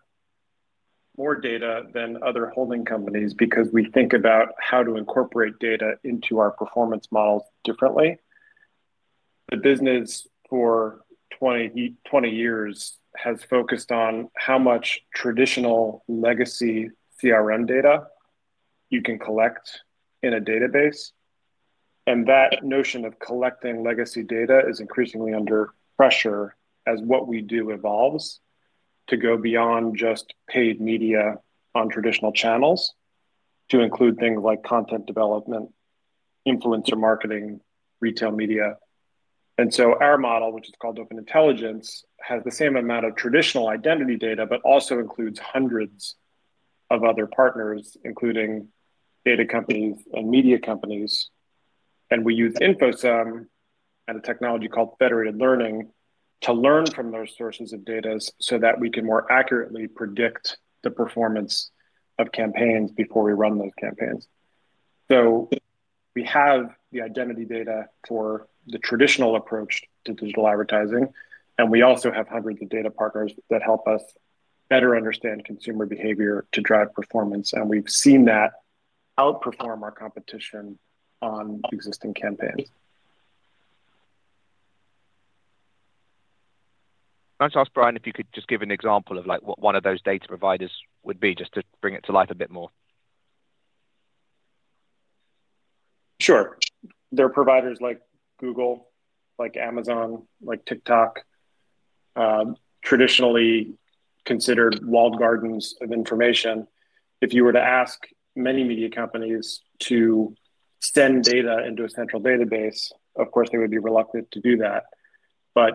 more data than other holding companies because we think about how to incorporate data into our performance models differently. The business for 20 years has focused on how much traditional legacy CRM data you can collect in a database. That notion of collecting legacy data is increasingly under pressure as what we do evolves to go beyond just paid media on traditional channels to include things like content development, influencer marketing, retail media. Our model, which is called Open Intelligence, has the same amount of traditional identity data, but also includes hundreds of other partners, including data companies and media companies. We use InfoSum and a technology called federated learning to learn from those sources of data so that we can more accurately predict the performance of campaigns before we run those campaigns. We have the identity data for the traditional approach to digital advertising, and we also have hundreds of data partners that help us better understand consumer behavior to drive performance. We've seen that outperform our competition on existing campaigns. Can I just ask Brian, if you could just give an example of what one of those data providers would be, just to bring it to life a bit more? Sure. There are providers like Google, like Amazon, like TikTok, traditionally considered walled gardens of information. If you were to ask many media companies to send data into a central database, of course, they would be reluctant to do that.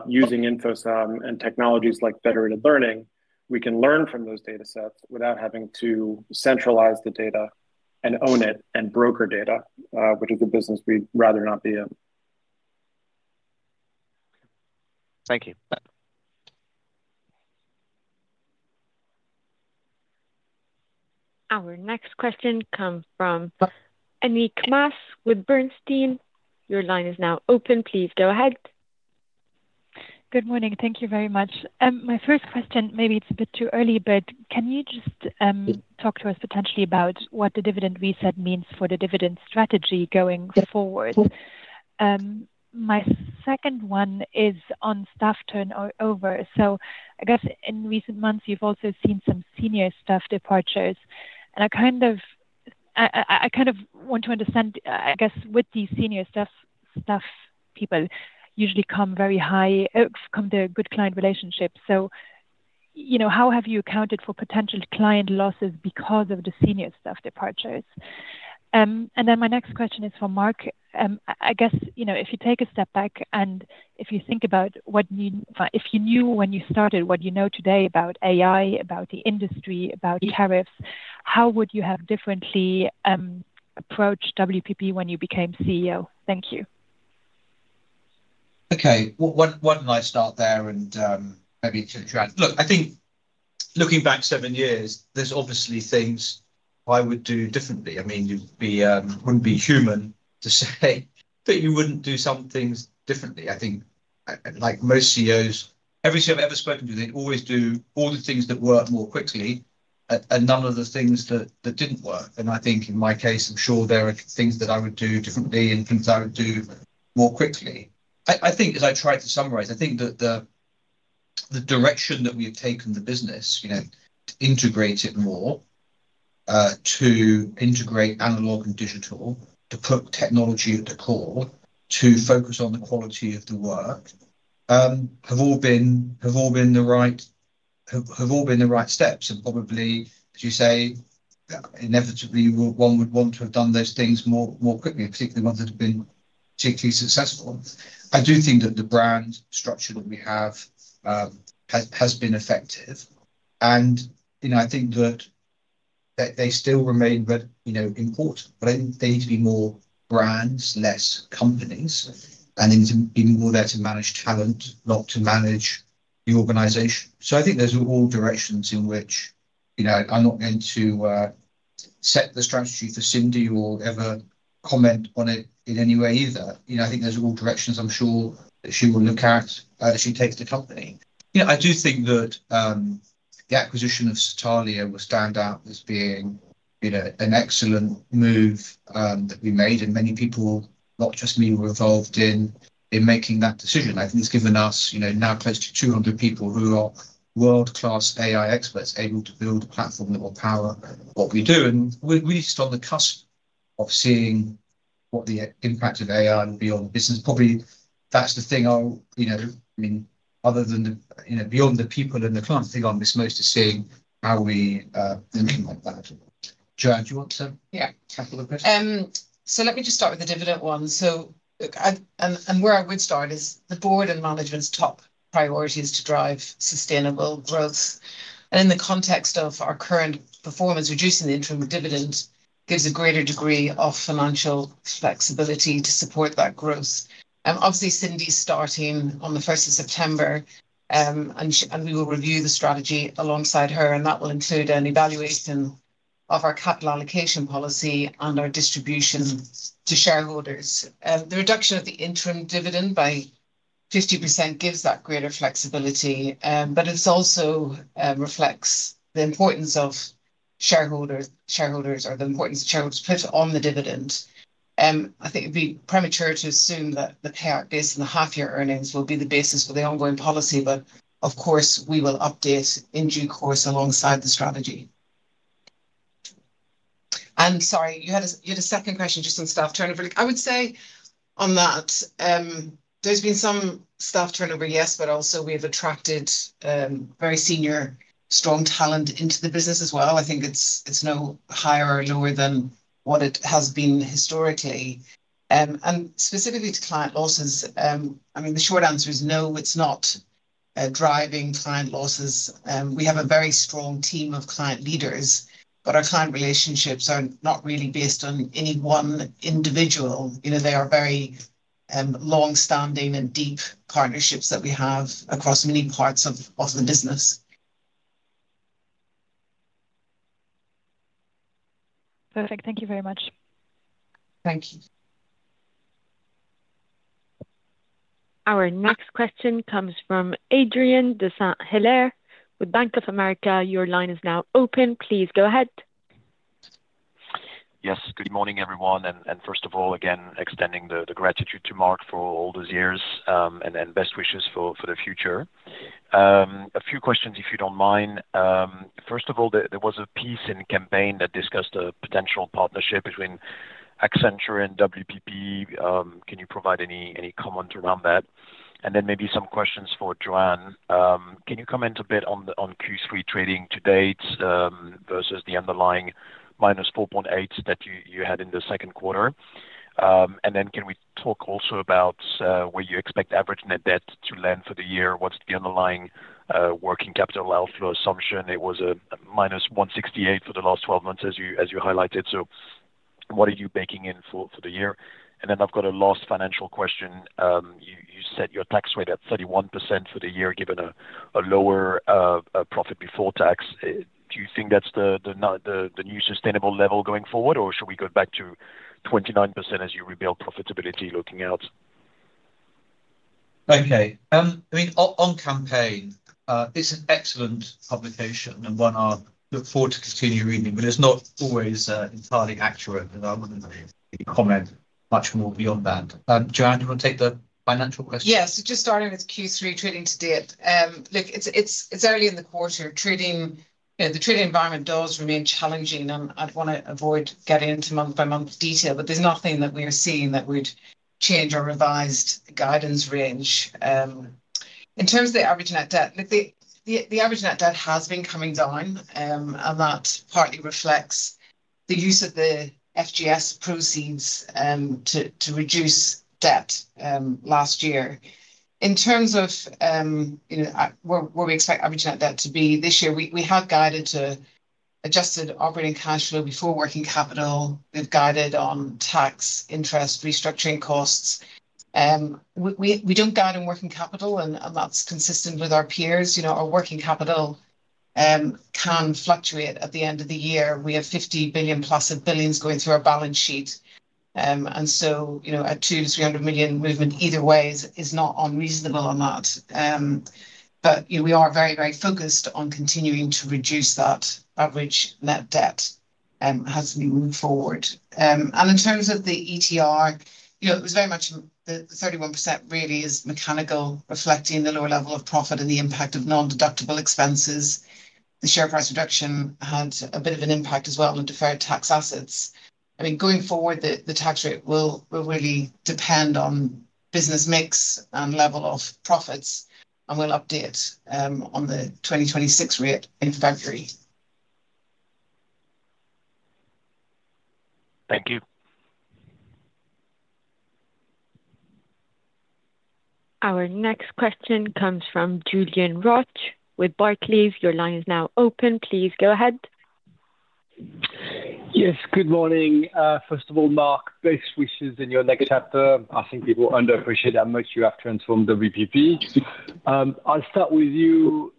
Using InfoSum and technologies like federated learning, we can learn from those data sets without having to centralize the data and own it and broker data, which is a business we'd rather not be in. Thank you. Our next question comes from Annick Maas with Bernstein. Your line is now open. Please go ahead. Good morning. Thank you very much. My first question, maybe it's a bit too early, but can you just talk to us potentially about what the dividend reset means for the dividend strategy going forward? My second one is on staff turnover. I guess in recent months, you've also seen some senior staff departures. I want to understand, with these senior staff, staff people usually come very high, come to a good client relationship. How have you accounted for potential client losses because of the senior staff departures? My next question is for Mark. If you take a step back and if you think about what you knew when you started, what you know today about AI, about the industry, about tariffs, how would you have differently approached WPP when you became CEO? Thank you. Okay. Why don't I start there? Look, I think looking back seven years, there's obviously things I would do differently. I mean, you wouldn't be human to say that you wouldn't do some things differently. I think, like most CEOs, every CEO I've ever spoken to, they always do all the things that work more quickly and none of the things that didn't work. I think in my case, I'm sure there are things that I would do differently and things I would do more quickly. As I tried to summarize, I think that the direction that we have taken in the business, to integrate it more, to integrate analog and digital, to put technology at the core, to focus on the quality of the work, have all been the right steps. Probably, as you say, inevitably, one would want to have done those things more quickly, particularly ones that have been particularly successful. I do think that the brand structure that we have has been effective. I think that they still remain important. I think they need to be more brands, less companies. They need to be more there to manage talent, not to manage the organization. I think there's all directions in which, I'm not going to set the strategy for Cindy or ever comment on it in any way either. I think there's all directions I'm sure that she will look at as she takes the company. I do think that the acquisition of Satalia will stand out as being an excellent move that we made. Many people, not just me, were involved in making that decision. I think it's given us now close to 200 people who are world-class AI experts able to build a platform that will power what we do. We're really just on the cusp of seeing what the impact of AI and beyond business. Probably that's the thing I'll, other than, beyond the people and the clients, the thing I'm missing most is seeing how we can manage it. Joanne, do you want to tackle the question? Let me just start with the dividend one. Where I would start is the Board and management's top priority is to drive sustainable growth. In the context of our current performance, reducing the interim dividend gives a greater degree of financial flexibility to support that growth. Cindy's starting on the 1st of September, and we will review the strategy alongside her. That will include an evaluation of our capital allocation policy and our distribution to shareholders. The reduction of the interim dividend by 50% gives that greater flexibility. It also reflects the importance shareholders put on the dividend. I think it'd be premature to assume that the payout based on the half-year earnings will be the basis for the ongoing policy. Of course, we will update in due course alongside the strategy. Sorry, you had a second question just on staff turnover. I would say on that, there's been some staff turnover, yes, but also we have attracted very senior, strong talent into the business as well. I think it's no higher or lower than what it has been historically. Specifically to client losses, the short answer is no, it's not driving client losses. We have a very strong team of client leaders, but our client relationships are not really based on any one individual. They are very long-standing and deep partnerships that we have across many parts of the business. Perfect. Thank you very much. Thank you. Our next question comes from Adrien de Saint Hilaire with Bank of America. Your line is now open. Please go ahead. Yes, good morning everyone. First of all, again, extending the gratitude to Mark for all those years and best wishes for the future. A few questions, if you don't mind. First of all, there was a piece in Campaign that discussed a potential partnership between Accenture and WPP. Can you provide any comment around that? Maybe some questions for Joanne. Can you comment a bit on Q3 trading to date versus the underlying -4.8% that you had in the second quarter? Can we talk also about where you expect average net debt to land for the year? What's the underlying working capital outflow assumption? It was -168 for the last 12 months, as you highlighted. What are you baking in for the year? I've got a last financial question. You set your tax rate at 31% for the year, given a lower profit before tax. Do you think that's the new sustainable level going forward, or should we go back to 29% as you rebuild profitability looking out? Okay. On Campaign, it's an excellent publication and one I look forward to continuing reading, but it's not always entirely accurate. I wouldn't comment much more beyond that. Joanne, do you want to take the financial question? Yeah, so just starting with Q3 trading to date. Look, it's early in the quarter. The trading environment does remain challenging. I'd want to avoid getting into month-by-month detail, but there's nothing that we're seeing that would change our revised guidance range. In terms of the average net debt, the average net debt has been coming down, and that partly reflects the use of the FGS proceeds to reduce debt last year. In terms of where we expect average net debt to be this year, we have guided to adjusted operating cash flow before working capital. We've guided on tax, interest, restructuring costs. We don't guide on working capital, and that's consistent with our peers. Our working capital can fluctuate at the end of the year. We have $50 billion+ going through our balance sheet, so a $200 million-$300 million movement either way is not unreasonable on that. We are very, very focused on continuing to reduce that average net debt as we move forward. In terms of the ETR, it was very much the 31% really is mechanical, reflecting the lower level of profit and the impact of non-deductible expenses. The share price reduction had a bit of an impact as well on deferred tax assets. Going forward, the tax rate will really depend on business mix and level of profits, and we'll update on the 2026 rate in February. Thank you. Our next question comes from Julien Roch with Barclays. Your line is now open. Please go ahead. Yes, good morning. First of all, Mark, best wishes in your next chapter. I think people underappreciate how much you have transformed WPP. I'll start with you.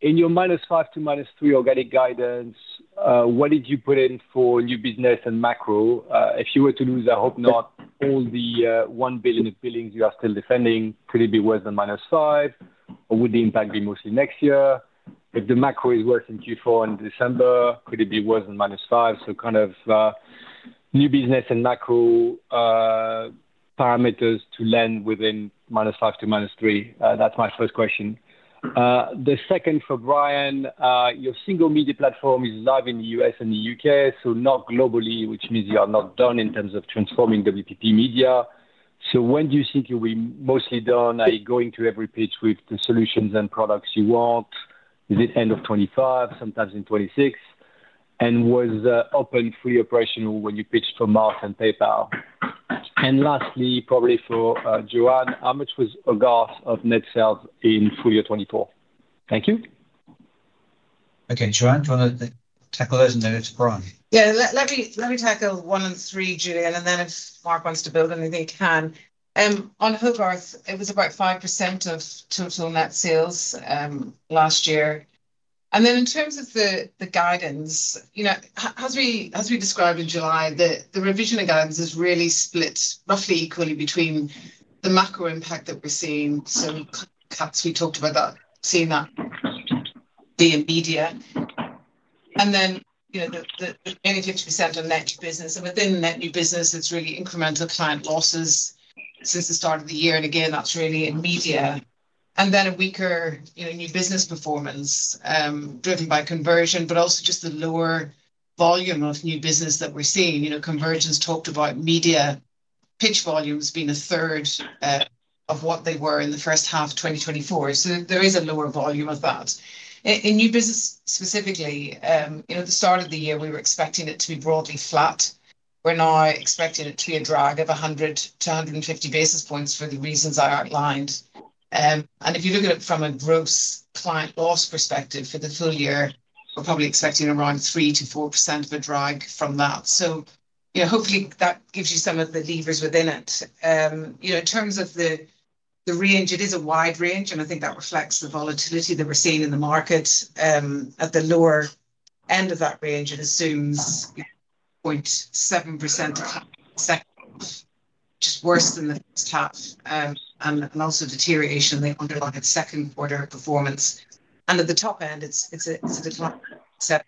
In your -5% to -3% organic guidance, what did you put in for new business and macro? If you were to lose, I hope not, all the $1 billion of billings you are still defending, could it be worse than -5%, or would the impact be mostly next year? If the macro is worse than Q4 in December, could it be worse than -5%? New business and macro parameters to land within -5% to -3%. That's my first question. The second for Brian, your single media platform is live in the U.S. and the U.K., so not globally, which means you are not done in terms of transforming WPP Media. When do you think you'll be mostly done? Are you going to every pitch with the solutions and products you want? Is it end of 2025, sometime in 2026? Was Open fully operational when you pitched for Mars and PayPal? Lastly, probably for Joanne, how much was Hogarth of net sales in full year 2024? Thank you. Joanne, do you want to tackle those in the next round? Yeah, let me tackle one and three, Julien, and then if Mark wants to build on anything, he can. On Hogarth, it was about 5% of total net sales last year. In terms of the guidance, as we described in July, the revision of guidance is really split roughly equally between the macro impact that we're seeing, some facts we talked about that seeing that be in media. The only 50% are net new business. Within net new business, it's really incremental client losses since the start of the year. Again, that's really in media, and then a weaker new business performance driven by conversion, but also just the lower volume of new business that we're seeing. Conversions talked about media pitch volumes being a third of what they were in the first half of 2024, so there is a lower volume of that. In new business specifically, at the start of the year, we were expecting it to be broadly flat. We're now expecting a two-year drag of 100 to 150 basis points for the reasons I outlined. If you look at it from a gross client loss perspective for the full year, we're probably expecting around 3%-4% of a drag from that. Hopefully that gives you some of the levers within it. In terms of the range, it is a wide range, and I think that reflects the volatility that we're seeing in the market. At the lower end of that range, it assumes 0.7%, which is worse than the first half, and also deterioration in the underlying second quarter performance. At the top end, it's at a flat 7%.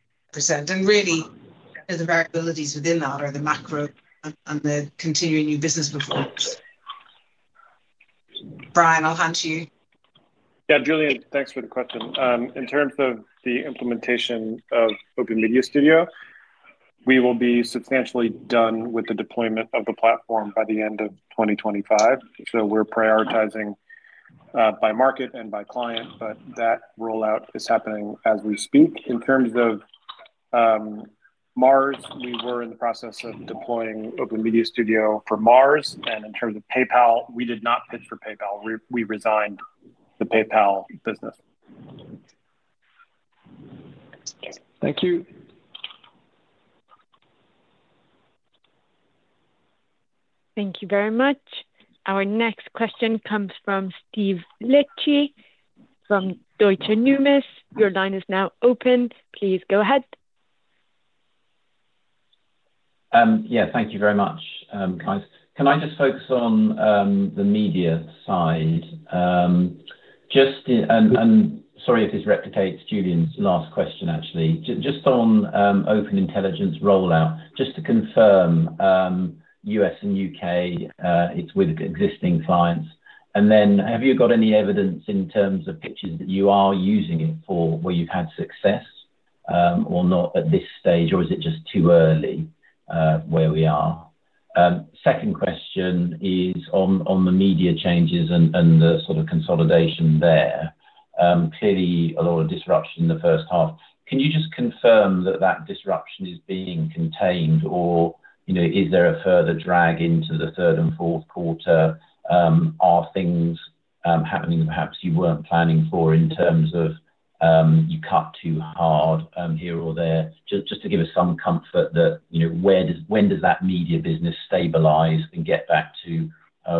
The variabilities within that are the macro and the continuing new business performance. Brian, I'll hand to you. Yeah, Julien, thanks for the question. In terms of the implementation of Open Media Studio, we will be substantially done with the deployment of the platform by the end of 2025. We're prioritizing by market and by client, but that rollout is happening as we speak. In terms of Mars, we were in the process of deploying Open Media Studio for Mars. In terms of PayPal, we did not pitch for PayPal. We resigned the PayPal business. Thank you. Thank you very much. Our next question comes from Steve Liechti from Deutsche Numis. Your line is now open. Please go ahead. Thank you very much, guys. Can I just focus on the media side? Sorry if this replicates Julien's last question, actually. Just on Open Intelligence rollout, just to confirm, U.S. and U.K., it's with existing clients. Have you got any evidence in terms of pitches that you are using it for where you've had success or not at this stage, or is it just too early where we are? Second question is on the media changes and the sort of consolidation there. Clearly, a lot of disruption in the first half. Can you just confirm that that disruption is being contained, or is there a further drag into the third and fourth quarter? Are things happening that perhaps you weren't planning for in terms of you cut too hard here or there? Just to give us some comfort that, when does that media business stabilize and get back to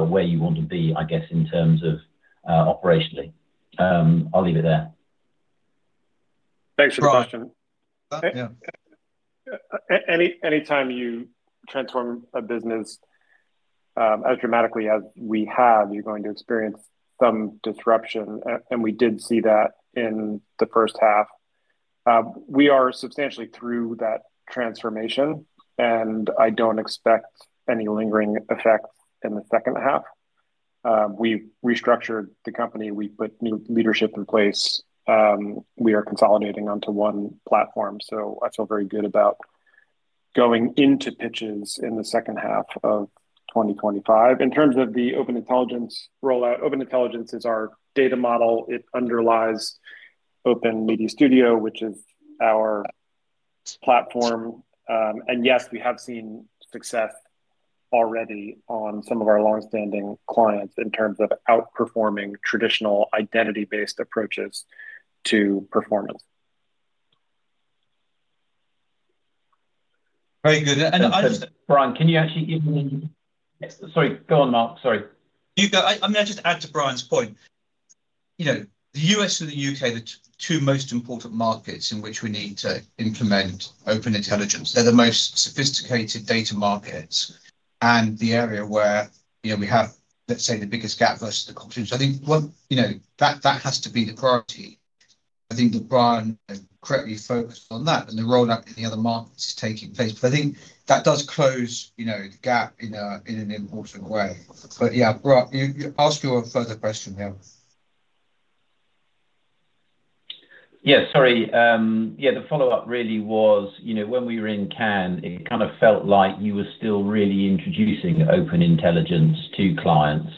where you want to be, I guess, in terms of operationally? I'll leave it there. Thanks for the question. Go ahead. Anytime you transform a business as dramatically as we have, you're going to experience some disruption. We did see that in the first half. We are substantially through that transformation, and I don't expect any lingering effects in the second half. We restructured the company. We put new leadership in place. We are consolidating onto one platform. I feel very good about going into pitches in the second half of 2025. In terms of the Open Intelligence rollout, Open Intelligence is our data model. It underlies Open Media Studio, which is our platform. Yes, we have seen success already on some of our longstanding clients in terms of outperforming traditional identity-based approaches to performance. Very good. Brian, can you actually give me—sorry, go on, Mark. Sorry, you go. I'm going to just add to Brian's point. You know, the U.S. and the U.K., the two most important markets. which we need to implement Open Intelligence. They're the most sophisticated data markets and the area where we have, let's say, the biggest gap versus the competition. I think that has to be the priority. I think the brand is correctly focused on that, and the rollout in the other markets is taking place. I think that does close the gap in an important way. You're asking one further question now. Sorry, the follow-up really was, you know, when we were in Cannes, it kind of felt like you were still really introducing Open Intelligence to clients.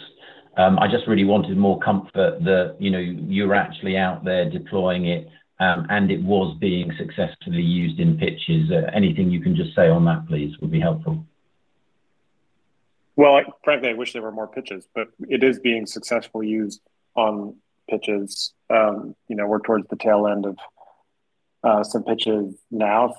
I just really wanted more comfort that, you know, you're actually out there deploying it and it was being successfully used in pitches. Anything you can just say on that, please, would be helpful. Frankly, I wish there were more pitches, but it is being successfully used on pitches. We're towards the tail end of some pitches now.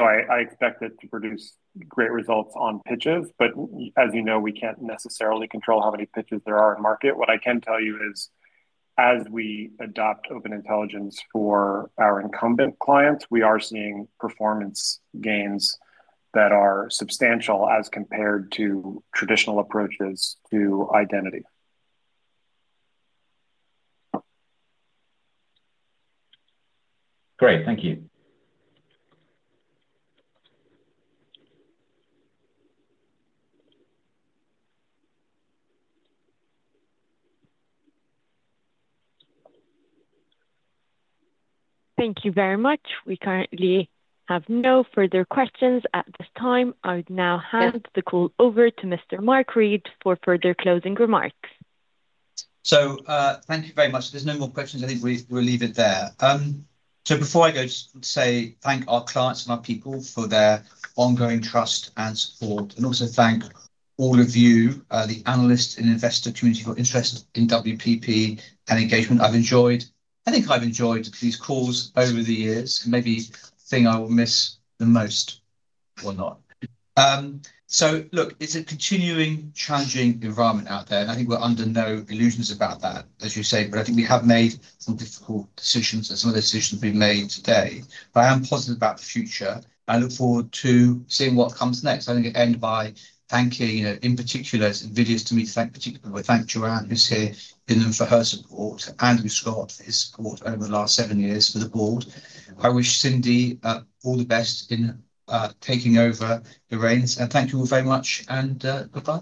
I expect it to produce great results on pitches, but as you know, we can't necessarily control how many pitches there are in market. What I can tell you is, as we adopt Open Intelligence for our incumbent clients, we are seeing performance gains that are substantial as compared to traditional approaches to identity. Great, thank you. Thank you very much. We currently have no further questions at this time. I would now hand the call over to Mr. Mark Read for further closing remarks. Thank you very much. If there's no more questions, I think we'll leave it there. Before I go, I just want to thank our clients and our people for their ongoing trust and support. I also thank all of you, the analysts and investor community, for your interest in WPP and engagement. I've enjoyed, I think I've enjoyed these calls over the years. Maybe the thing I will miss the most, why not? It's a continuing challenging environment out there, and I think we're under no illusions about that, as you say. I think we have made some difficult decisions and some of those decisions will be made today. I am positive about the future, and I look forward to seeing what comes next. I end by thanking, you know, in particular, it's in video to me to thank particularly. Thank Joanne, who's here in them for her support, and with Scott, his support over the last seven years for the board. I wish Cindy all the best in taking over the reins, and thank you all very much, and goodbye.